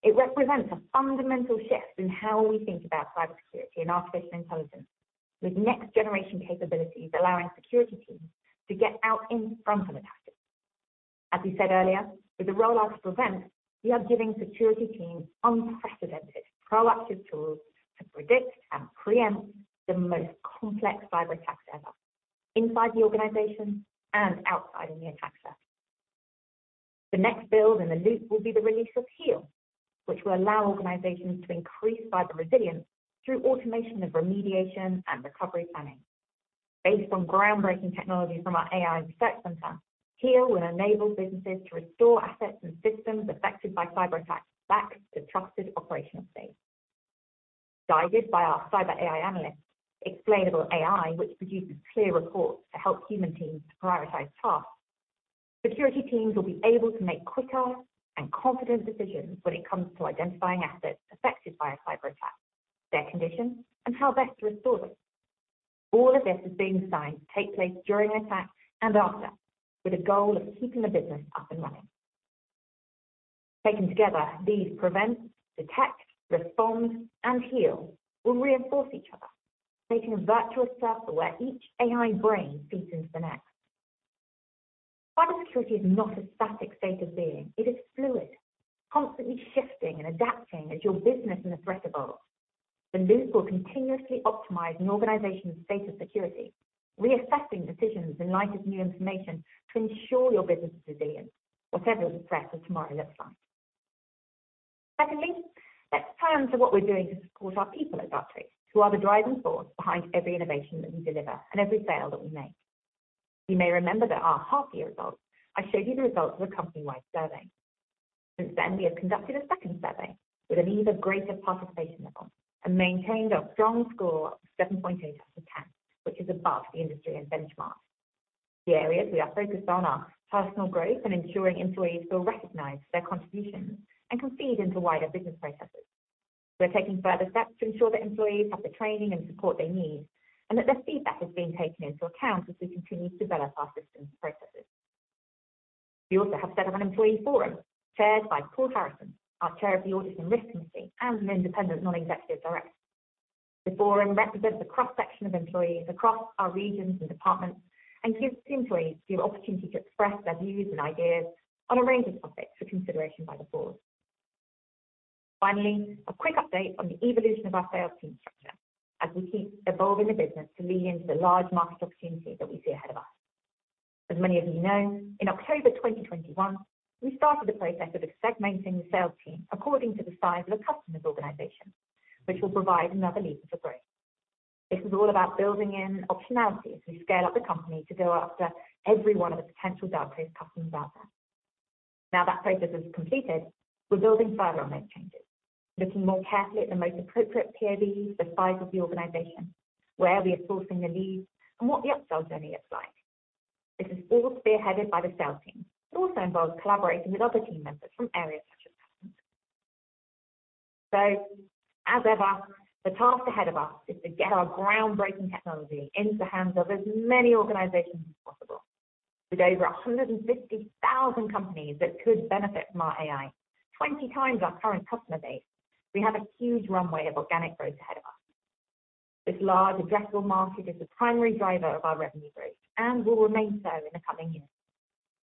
Speaker 2: It represents a fundamental shift in how we think about cybersecurity and artificial intelligence with next-generation capabilities allowing security teams to get out in front of attackers. As we said earlier, with the rollout of PREVENT, we are giving security teams unprecedented proactive tools to predict and preempt the most complex cyberattacks ever, inside the organization and outside in the attack surface. The next build in the loop will be the release of HEAL, which will allow organizations to increase cyber resilience through automation of remediation and recovery planning. Based on groundbreaking technology from our AI research center, HEAL will enable businesses to restore assets and systems affected by cyberattacks back to trusted operational state. Guided by our Cyber AI Analysts, Explainable AI, which produces clear reports to help human teams prioritize tasks, security teams will be able to make quicker and confident decisions when it comes to identifying assets affected by a cyberattack, their condition, and how best to restore them. All of this is being designed to take place during an attack and after, with a goal of keeping the business up and running. Taken together, these PREVENT, DETECT, RESPOND, and HEAL will reinforce each other, making a virtuous circle where each AI brain feeds into the next. Cybersecurity is not a static state of being. It is fluid, constantly shifting and adapting as your business and the threat evolves. The loop will continuously optimize an organization's state of security, reassessing decisions in light of new information to ensure your business is resilient, whatever the threat of tomorrow looks like. Secondly, let's turn to what we're doing to support our people at Darktrace, who are the driving force behind every innovation that we deliver and every sale that we make. You may remember that at our half-year results, I showed you the results of a company-wide survey. Since then, we have conducted a second survey with an even greater participation level and maintained our strong score of 7.8 out of 10, which is above the industry and benchmark. The areas we are focused on are personal growth and ensuring employees feel recognized for their contributions and can feed into wider business processes. We're taking further steps to ensure that employees have the training and support they need, and that their feedback is being taken into account as we continue to develop our systems and processes. We also have set up an employee forum chaired by Paul Harrison, our Chair of the Audit and Risk Committee, and an independent non-executive director. The forum represents a cross-section of employees across our regions and departments and gives employees the opportunity to express their views and ideas on a range of topics for consideration by the board. Finally, a quick update on the evolution of our sales team structure as we keep evolving the business to lean into the large market opportunities that we see ahead of us. As many of you know, in October 2021, we started the process of segmenting the sales team according to the size of the customer's organization, which will provide another lever for growth. This is all about building in optionality as we scale up the company to go after every one of the potential Darktrace customers out there. Now that process is completed, we're building further on those changes, looking more carefully at the most appropriate PAB, the size of the organization, where we are sourcing the leads, and what the upsell journey looks like. This is all spearheaded by the sales team. It also involves collaborating with other team members from areas such as accounts. As ever, the task ahead of us is to get our groundbreaking technology into the hands of as many organizations as possible. With over 150,000 companies that could benefit from our AI, 20 times our current customer base, we have a huge runway of organic growth ahead of us. This large addressable market is the primary driver of our revenue growth and will remain so in the coming years.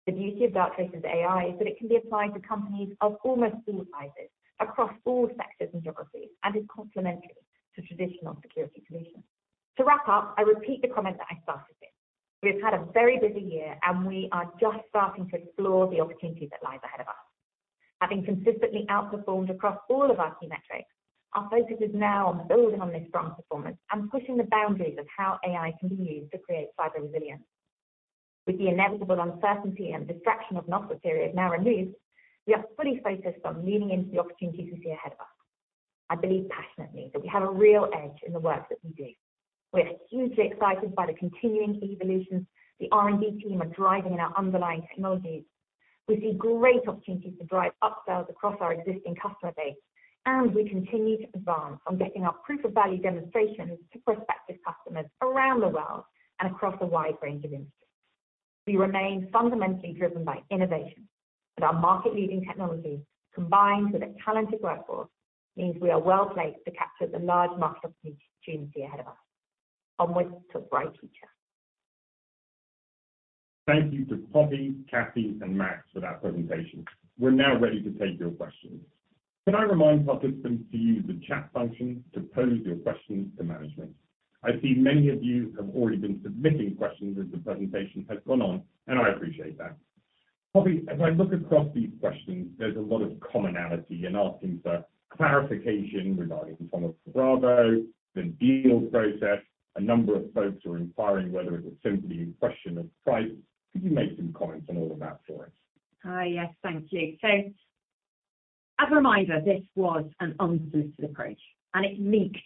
Speaker 2: The beauty of Darktrace's AI is that it can be applied to companies of almost all sizes across all sectors and geographies and is complementary to traditional security solutions. To wrap up, I repeat the comment that I started with. We have had a very busy year, and we are just starting to explore the opportunity that lies ahead of us. Having consistently outperformed across all of our key metrics, our focus is now on building on this strong performance and pushing the boundaries of how AI can be used to create cyber resilience. With the inevitable uncertainty and distraction of an offer period now removed, we are fully focused on leaning into the opportunities we see ahead of us. I believe passionately that we have a real edge in the work that we do. We're hugely excited by the continuing evolution the R&D team are driving in our underlying technologies. We see great opportunities to drive upsells across our existing customer base, and we continue to advance on getting our proof of value demonstrations to prospective customers around the world and across a wide range of industries. We remain fundamentally driven by innovation, and our market-leading technology, combined with a talented workforce, means we are well placed to capture the large market opportunity ahead of us. Onward to brighter future.
Speaker 1: Thank you to Poppy, Cathy, and Max for that presentation. We're now ready to take your questions. Can I remind participants to use the chat function to pose your questions to management? I see many of you have already been submitting questions as the presentation has gone on, and I appreciate that. Poppy, as I look across these questions, there's a lot of commonality in asking for clarification regarding Thoma Bravo, the deal process. A number of folks are inquiring whether it was simply a question of price. Could you make some comments on all of that for us?
Speaker 2: Hi. Yes, thank you. As a reminder, this was an unsolicited approach, and it leaked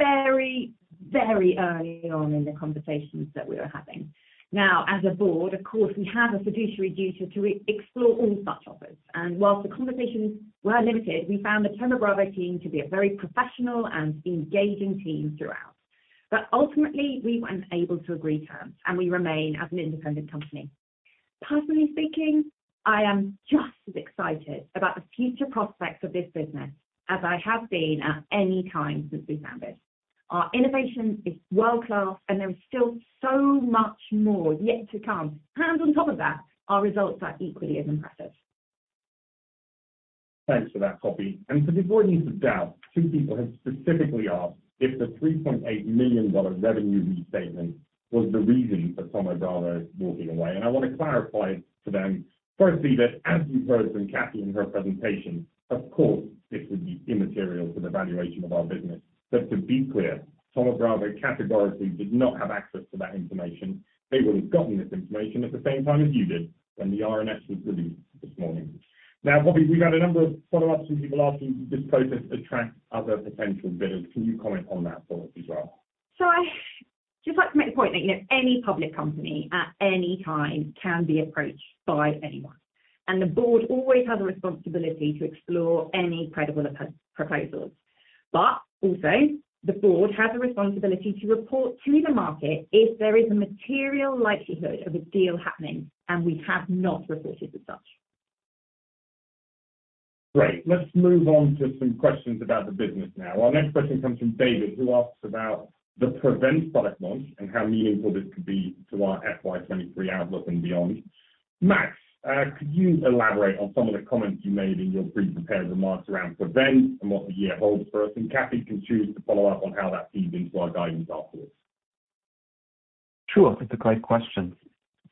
Speaker 2: very, very early on in the conversations that we were having. Now, as a board, of course, we have a fiduciary duty to explore all such offers. While the conversations were limited, we found the Thoma Bravo team to be a very professional and engaging team throughout. Ultimately, we weren't able to agree terms, and we remain as an independent company. Personally speaking, I am just as excited about the future prospects of this business as I have been at any time since we founded. Our innovation is world-class, and there is still so much more yet to come. On top of that, our results are equally as impressive.
Speaker 1: Thanks for that, Poppy. To avoid any doubt, two people have specifically asked if the $3.8 million revenue restatement was the reason for Thoma Bravo walking away. I wanna clarify to them, firstly, that as you heard from Cathy in her presentation, of course, this would be immaterial to the valuation of our business. To be clear, Thoma Bravo categorically did not have access to that information. They would have gotten this information at the same time as you did when the RNS was released this morning. Now, Poppy, we've had a number of follow-ups from people asking, did this process attract other potential bidders? Can you comment on that for us as well?
Speaker 2: I'd just like to make the point that, you know, any public company at any time can be approached by anyone, and the board always has a responsibility to explore any credible proposals. But also, the board has a responsibility to report to the market if there is a material likelihood of a deal happening, and we have not reported as such.
Speaker 1: Great. Let's move on to some questions about the business now. Our next question comes from David Binyon, who asks about the PREVENT product launch and how meaningful this could be to our FY 2023 outlook and beyond. Max Heinemeyer, could you elaborate on some of the comments you made in your pre-prepared remarks around Prevent and what the year holds for us? Cathy can choose to follow up on how that feeds into our guidance afterwards.
Speaker 3: Sure. It's a great question.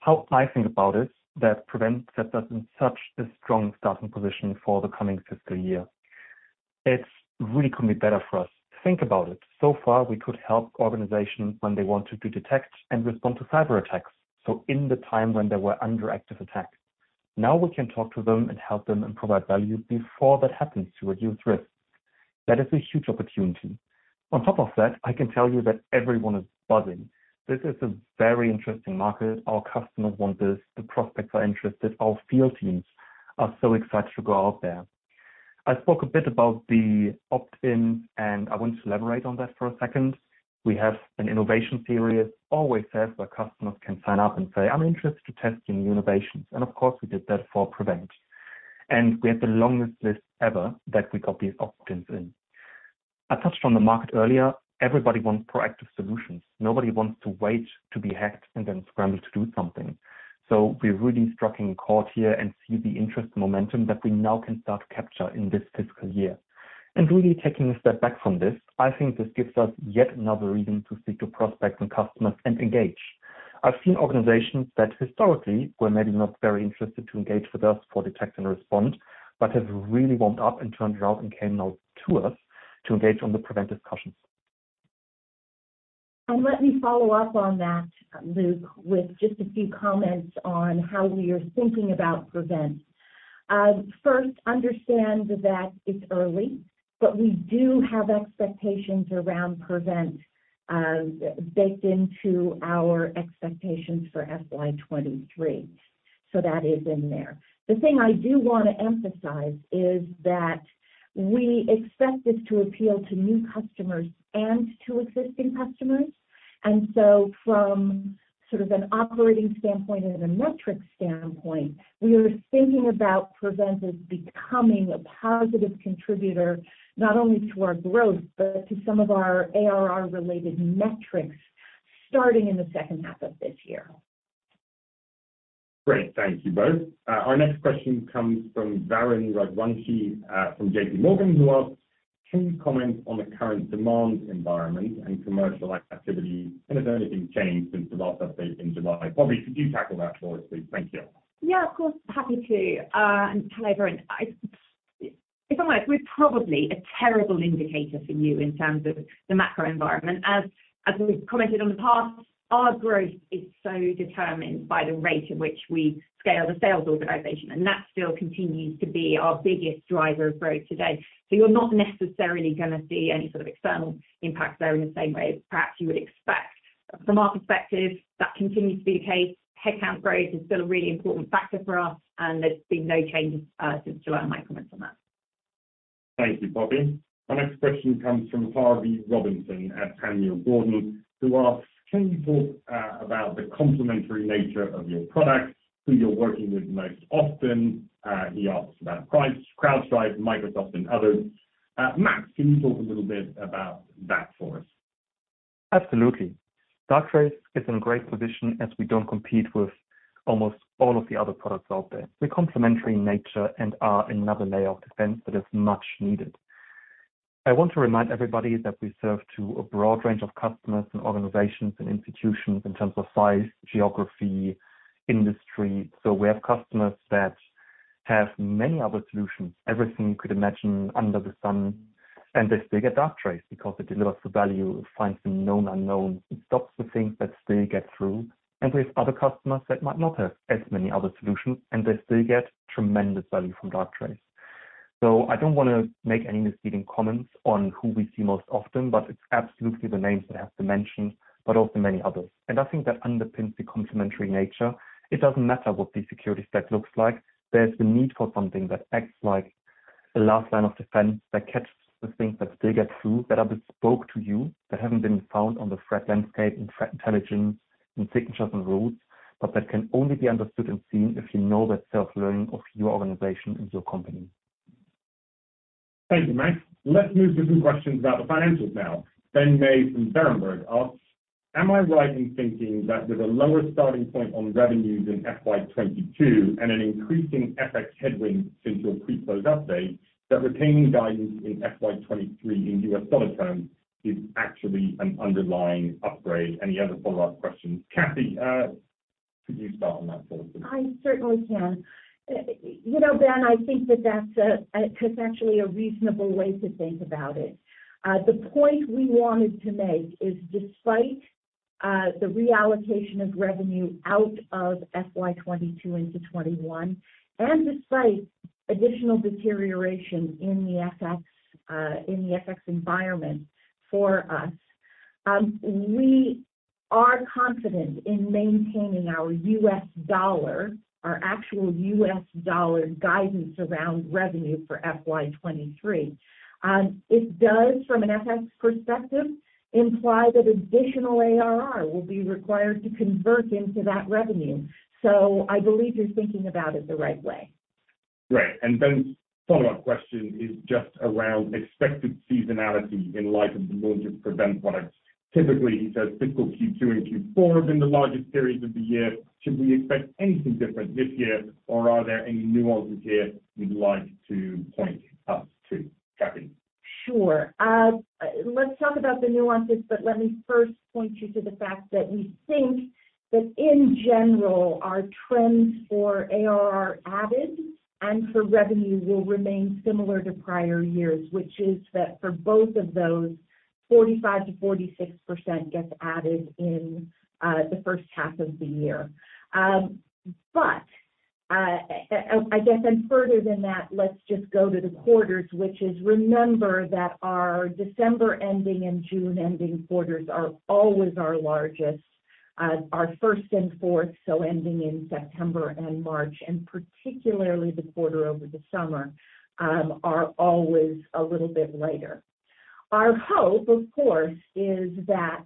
Speaker 3: How I think about it, that PREVENT sets us in such a strong starting position for the coming fiscal year. It really couldn't be better for us. Think about it. So far, we could help organizations when they wanted to DETECT and RESPOND to cyberattacks, so in the time when they were under active attack. Now we can talk to them and help them and provide value before that happens to reduce risk. That is a huge opportunity. On top of that, I can tell you that everyone is buzzing. This is a very interesting market. Our customers want this. The prospects are interested. Our field teams are so excited to go out there. I spoke a bit about the opt-in, and I want to elaborate on that for a second. We have an innovation period always set where customers can sign up and say, "I'm interested to test new innovations." Of course, we did that for PREVENT. We have the longest list ever that we got these opt-ins in. I touched on the market earlier. Everybody wants proactive solutions. Nobody wants to wait to be hacked and then scramble to do something. We're really striking a chord here and see the interest momentum that we now can start to capture in this fiscal year. Really taking a step back from this, I think this gives us yet another reason to speak to prospects and customers and engage. I've seen organizations that historically were maybe not very interested to engage with us for DETECT and RESPOND but have really warmed up and turned around and came now to us to engage on the PREVENT discussions.
Speaker 5: Let me follow up on that, Luk, with just a few comments on how we are thinking about PREVENT. First, understand that it's early, but we do have expectations around PREVENT baked into our expectations for FY 2023. So that is in there. The thing I do wanna emphasize is that we expect this to appeal to new customers and to existing customers. From sort of an operating standpoint and a metrics standpoint, we are thinking about PREVENT as becoming a positive contributor, not only to our growth, but to some of our ARR-related metrics starting in the second half of this year.
Speaker 1: Great. Thank you both. Our next question comes from Varun Rajwanshi from JPMorgan, who asks, "Can you comment on the current demand environment and commercial activity? And has anything changed since the last update in July?" Poppy, could you tackle that for us, please? Thank you.
Speaker 2: Yeah, of course. Happy to. And hello, Varun. If I'm honest, we're probably a terrible indicator for you in terms of the macro environment. As we've commented on the past, our growth is so determined by the rate at which we scale the sales organization, and that still continues to be our biggest driver of growth today. You're not necessarily gonna see any sort of external impact there in the same way as perhaps you would expect. From our perspective, that continues to be the case. Headcount growth is still a really important factor for us, and there's been no change since July in my comments on that.
Speaker 1: Thank you, Poppy. Our next question comes from Harvey Robinson at Panmure Gordon, who asks, "Can you talk about the complementary nature of your products, who you're working with most often?" He asks about Palo Alto, CrowdStrike, Microsoft and others. Max, can you talk a little bit about that for us?
Speaker 3: Absolutely. Darktrace is in a great position as we don't compete with almost all of the other products out there. We're complementary in nature and are another layer of defense that is much needed. I want to remind everybody that we serve to a broad range of customers and organizations and institutions in terms of size, geography, industry. We have customers that have many other solutions, everything you could imagine under the sun, and they still get Darktrace because it delivers the value, it finds the known unknowns, it stops the things that still get through. With other customers that might not have as many other solutions, and they still get tremendous value from Darktrace. I don't wanna make any misleading comments on who we see most often, but it's absolutely the names that have dimensions, but also many others. I think that underpins the complementary nature. It doesn't matter what the security stack looks like. There's the need for something that acts like a last line of defense that catches the things that still get through, that are bespoke to you, that haven't been found on the threat landscape, in threat intelligence, in signatures and rules, but that can only be understood and seen if you know that self-learning of your organization and your company.
Speaker 1: Thank you, Max. Let's move to some questions about the financials now. Benjamin May from Berenberg asks, "Am I right in thinking that with a lower starting point on revenues in FY 2022 and an increasing FX headwind since your pre-close update, that retaining guidance in FY 2023 in U.S. dollar terms is actually an underlying upgrade?" He had a follow-up question. Cathy, could you start on that for us, please?
Speaker 5: I certainly can. You know, Ben, I think that that's potentially a reasonable way to think about it. The point we wanted to make is despite the reallocation of revenue out of FY 2022 into FY 2021, and despite additional deterioration in the FX, in the FX environment for us, we are confident in maintaining our US dollar, our actual US dollar guidance around revenue for FY 2023. It does, from an FX perspective, imply that additional ARR will be required to convert into that revenue. I believe you're thinking about it the right way.
Speaker 1: Great. Ben's follow-up question is just around expected seasonality in light of the launch of PREVENT product. Typically, he says fiscal Q2 and Q4 have been the largest periods of the year. Should we expect anything different this year? Or are there any nuances here you'd like to point us to? Cathy.
Speaker 5: Sure. Let's talk about the nuances, but let me first point you to the fact that we think that in general, our trends for ARR added and for revenue will remain similar to prior years, which is that for both of those, 45%-46% gets added in the first half of the year. I guess then further than that, let's just go to the quarters, which is, remember that our December-ending and June-ending quarters are always our largest. Our first and fourth, so ending in September and March, and particularly the quarter over the summer, are always a little bit lighter. Our hope, of course, is that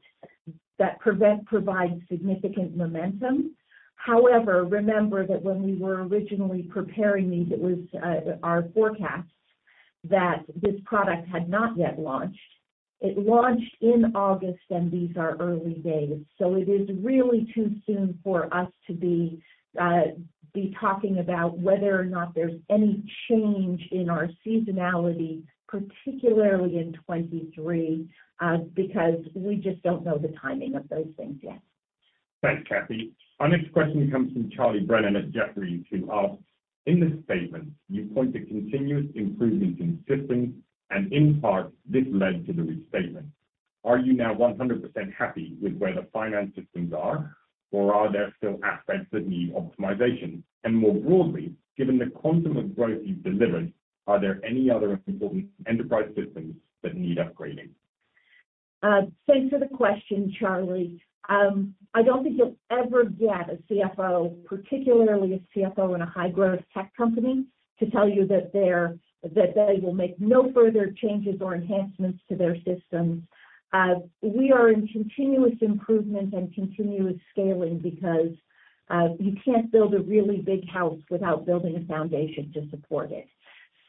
Speaker 5: PREVENT provides significant momentum. However, remember that when we were originally preparing these, it was our forecast that this product had not yet launched. It launched in August, and these are early days. It is really too soon for us to be talking about whether or not there's any change in our seasonality, particularly in 2023, because we just don't know the timing of those things yet.
Speaker 1: Thanks, Cathy. Our next question comes from Charles Brennan at Jefferies, who asks, "In the statement, you point to continuous improvements in systems, and in part, this led to the restatement. Are you now 100% happy with where the finance systems are, or are there still aspects that need optimization? And more broadly, given the quantum of growth you've delivered, are there any other important enterprise systems that need upgrading?
Speaker 5: Thanks for the question, Charlie. I don't think you'll ever get a CFO, particularly a CFO in a high-growth tech company, to tell you that they will make no further changes or enhancements to their systems. We are in continuous improvement and continuous scaling because you can't build a really big house without building a foundation to support it.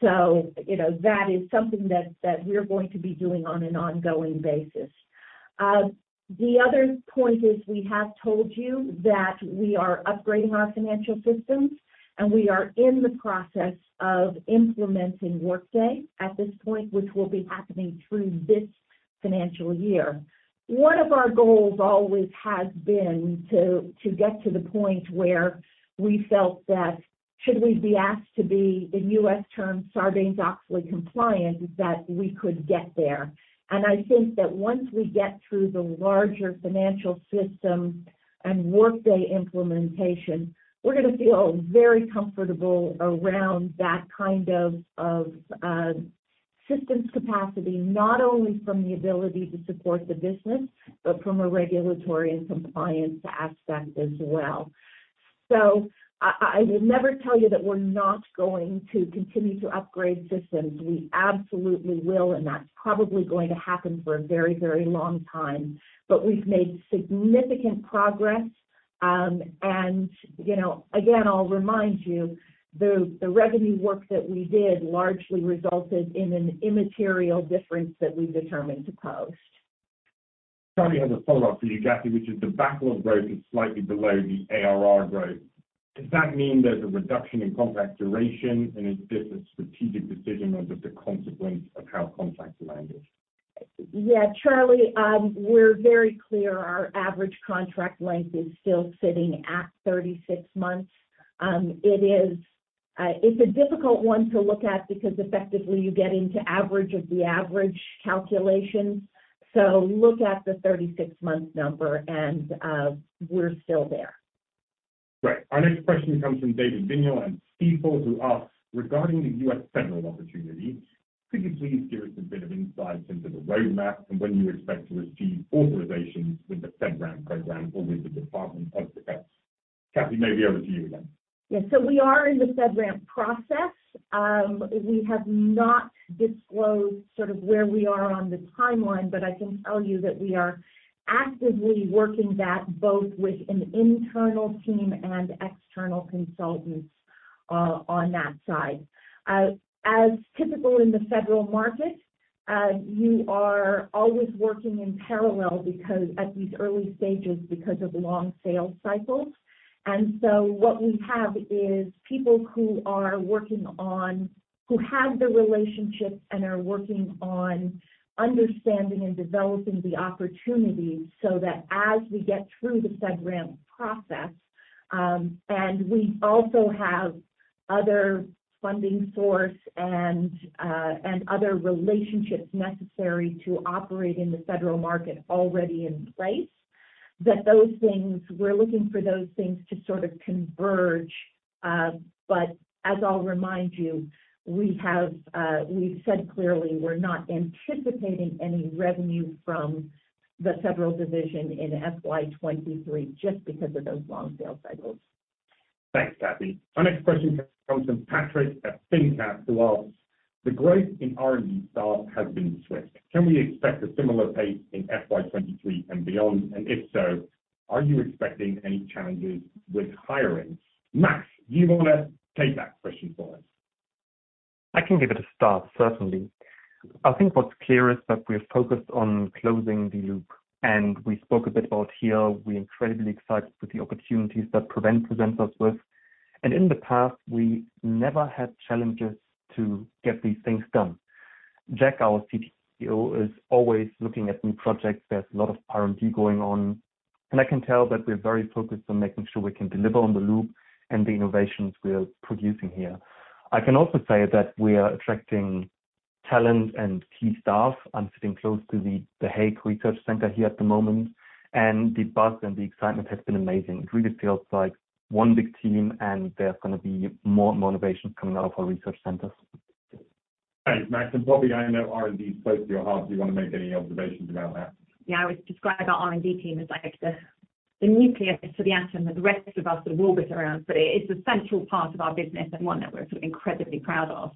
Speaker 5: You know, that is something that we're going to be doing on an ongoing basis. The other point is we have told you that we are upgrading our financial systems, and we are in the process of implementing Workday at this point, which will be happening through this financial year. One of our goals always has been to get to the point where we felt that should we be asked to be, in U.S. terms, Sarbanes-Oxley compliant, that we could get there. I think that once we get through the larger financial system and Workday implementation, we're gonna feel very comfortable around that kind of systems capacity, not only from the ability to support the business, but from a regulatory and compliance aspect as well. I would never tell you that we're not going to continue to upgrade systems. We absolutely will, and that's probably going to happen for a very, very long time. We've made significant progress. You know, again, I'll remind you the revenue work that we did largely resulted in an immaterial difference that we've determined to post.
Speaker 1: Charlie has a follow-up for you, Cathy, which is the backlog growth is slightly below the ARR growth. Does that mean there's a reduction in contract duration, and is this a strategic decision or just a consequence of how contracts landed?
Speaker 5: Yeah, Charlie, we're very clear. Our average contract length is still sitting at 36 months. It's a difficult one to look at because effectively you get into average of the average calculation. Look at the 36-month number, and we're still there.
Speaker 1: Great. Our next question comes from David Binyon at Stifel, who asks, "Regarding the U.S. federal opportunity, could you please give us a bit of insight into the roadmap and when you expect to receive authorizations with the FedRAMP program or with the U.S. Department of Defense?" Cathy, maybe over to you again.
Speaker 5: Yes. We are in the FedRAMP process. We have not disclosed sort of where we are on the timeline, but I can tell you that we are actively working that both with an internal team and external consultants on that side. As typical in the federal market, you are always working in parallel because at these early stages, because of long sales cycles. What we have is people who have the relationships and are working on understanding and developing the opportunities so that as we get through the FedRAMP process, and we also have other funding source and other relationships necessary to operate in the federal market already in place, that we're looking for those things to sort of converge. As I'll remind you, we've said clearly we're not anticipating any revenue from the federal division in FY 2023 just because of those long sales cycles.
Speaker 1: Thanks, Cathy. Our next question comes from Patrick at finnCap, who asks, "The growth in R&D staff has been swift. Can we expect a similar pace in FY 2023 and beyond? And if so, are you expecting any challenges with hiring?" Max, do you wanna take that question for us?
Speaker 3: I can give it a start, certainly. I think what's clear is that we're focused on closing the loop. We spoke a bit about here, we're incredibly excited with the opportunities that PREVENT presents us with. In the past, we never had challenges to get these things done. Jack, our CTO, is always looking at new projects. There's a lot of R&D going on, and I can tell that we're very focused on making sure we can deliver on the loop and the innovations we're producing here. I can also say that we are attracting talent and key staff. I'm sitting close to the Hague Research Center here at the moment, and the buzz and the excitement has been amazing. It really feels like one big team, and there's gonna be more and more innovations coming out of our research centers.
Speaker 1: Thanks, Max. Poppy, I know R&D is close to your heart. Do you wanna make any observations about that?
Speaker 2: Yeah, I would describe our R&D team as like the nucleus to the atom that the rest of us sort of orbit around. It is a central part of our business and one that we're sort of incredibly proud of.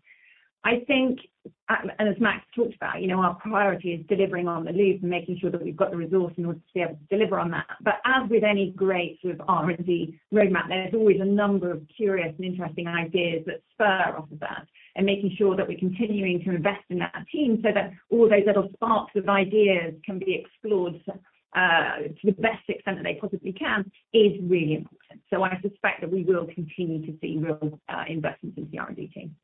Speaker 2: I think, and as Max talked about, you know, our priority is delivering on the loop and making sure that we've got the resource in order to be able to deliver on that. As with any great sort of R&D roadmap, there's always a number of curious and interesting ideas that spur off of that and making sure that we're continuing to invest in that team so that all those little sparks of ideas can be explored to the best extent that they possibly can, is really important. I suspect that we will continue to see real investments into the R&D team.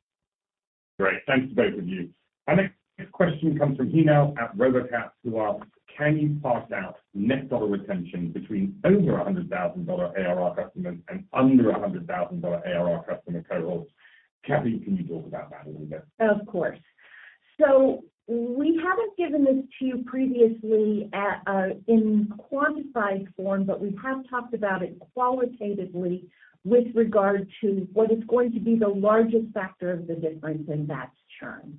Speaker 1: Great. Thanks to both of you. Our next question comes from Hinel at RBC, who asks, "Can you break out net dollar retention between over $100,000 ARR customers and under $100,000 ARR customer cohorts?" Cathy, can you talk about that a little bit?
Speaker 5: Of course. We haven't given this to you previously in quantified form, but we have talked about it qualitatively with regard to what is going to be the largest factor of the difference in that churn.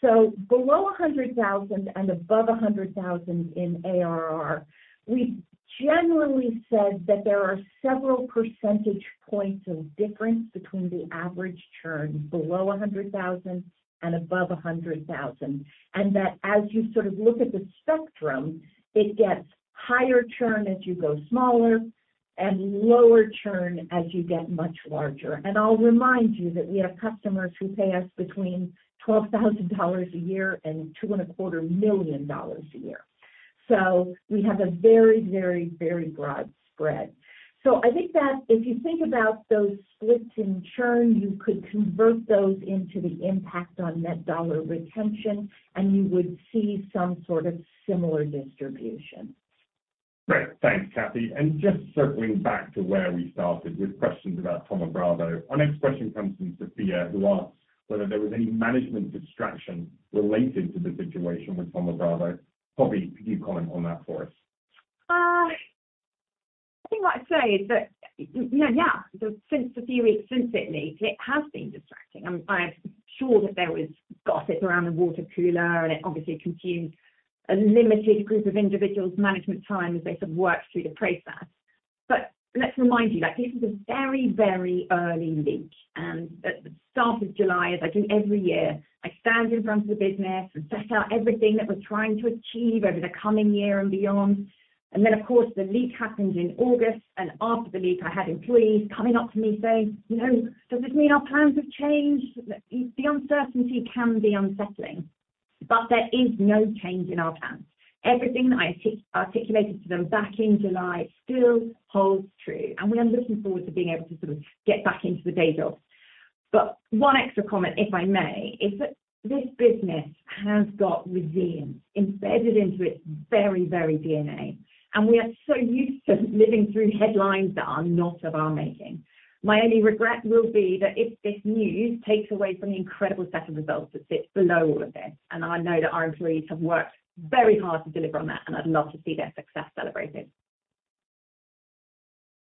Speaker 5: Below $100,000 and above $100,000 in ARR, we've generally said that there are several percentage points of difference between the average churn below $100,000 and above $100,000. That as you sort of look at the spectrum, it gets higher churn as you go smaller and lower churn as you get much larger. I'll remind you that we have customers who pay us between $12,000 a year and $2.25 million a year. We have a very, very, very broad spread. I think that if you think about those splits in churn, you could convert those into the impact on net dollar retention, and you would see some sort of similar distribution.
Speaker 1: Great. Thanks, Cathy. Just circling back to where we started with questions about Thoma Bravo, our next question comes from Sophia, who asks whether there was any management distraction related to the situation with Thoma Bravo. Poppy, could you comment on that for us?
Speaker 2: I think what I'd say is that, you know, yeah, since the few weeks since it leaked, it has been distracting. I'm sure that there was gossip around the watercooler, and it obviously consumed a limited group of individuals' management time as they sort of worked through the process. But let's remind you that this is a very, very early leak. At the start of July, as I do every year, I stand in front of the business and set out everything that we're trying to achieve over the coming year and beyond. Then, of course, the leak happened in August, and after the leak, I had employees coming up to me saying, "You know, does this mean our plans have changed?" The uncertainty can be unsettling, but there is no change in our plans. Everything that I articulated to them back in July still holds true, and we are looking forward to being able to sort of get back into the day jobs. One extra comment, if I may, is that this business has got resilience embedded into its very, very DNA, and we are so used to living through headlines that are not of our making. My only regret will be that if this news takes away from the incredible set of results that sits below all of this, and I know that our employees have worked very hard to deliver on that, and I'd love to see their success celebrated.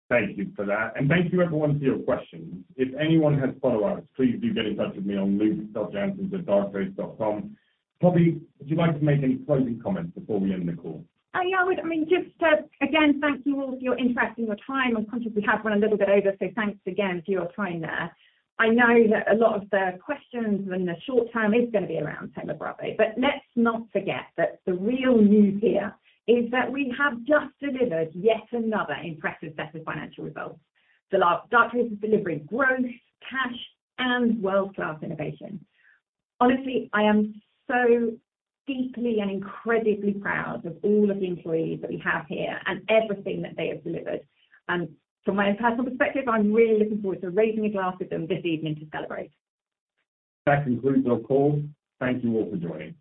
Speaker 1: Thank you for that. Thank you everyone for your questions. If anyone has follow-ups, please do get in touch with me on luk.janssens@darktrace.com. Poppy, would you like to make any closing comments before we end the call?
Speaker 2: Yeah, I would. I mean, just to, again, thank you all for your interest and your time. I'm conscious we have run a little bit over, so thanks again for your time there. I know that a lot of the questions in the short term is gonna be around the narrative, but let's not forget that the real news here is that we have just delivered yet another impressive set of financial results. Darktrace is delivering growth, cash and world-class innovation. Honestly, I am so deeply and incredibly proud of all of the employees that we have here and everything that they have delivered. From my personal perspective, I'm really looking forward to raising a glass with them this evening to celebrate.
Speaker 1: That concludes our call. Thank you all for joining.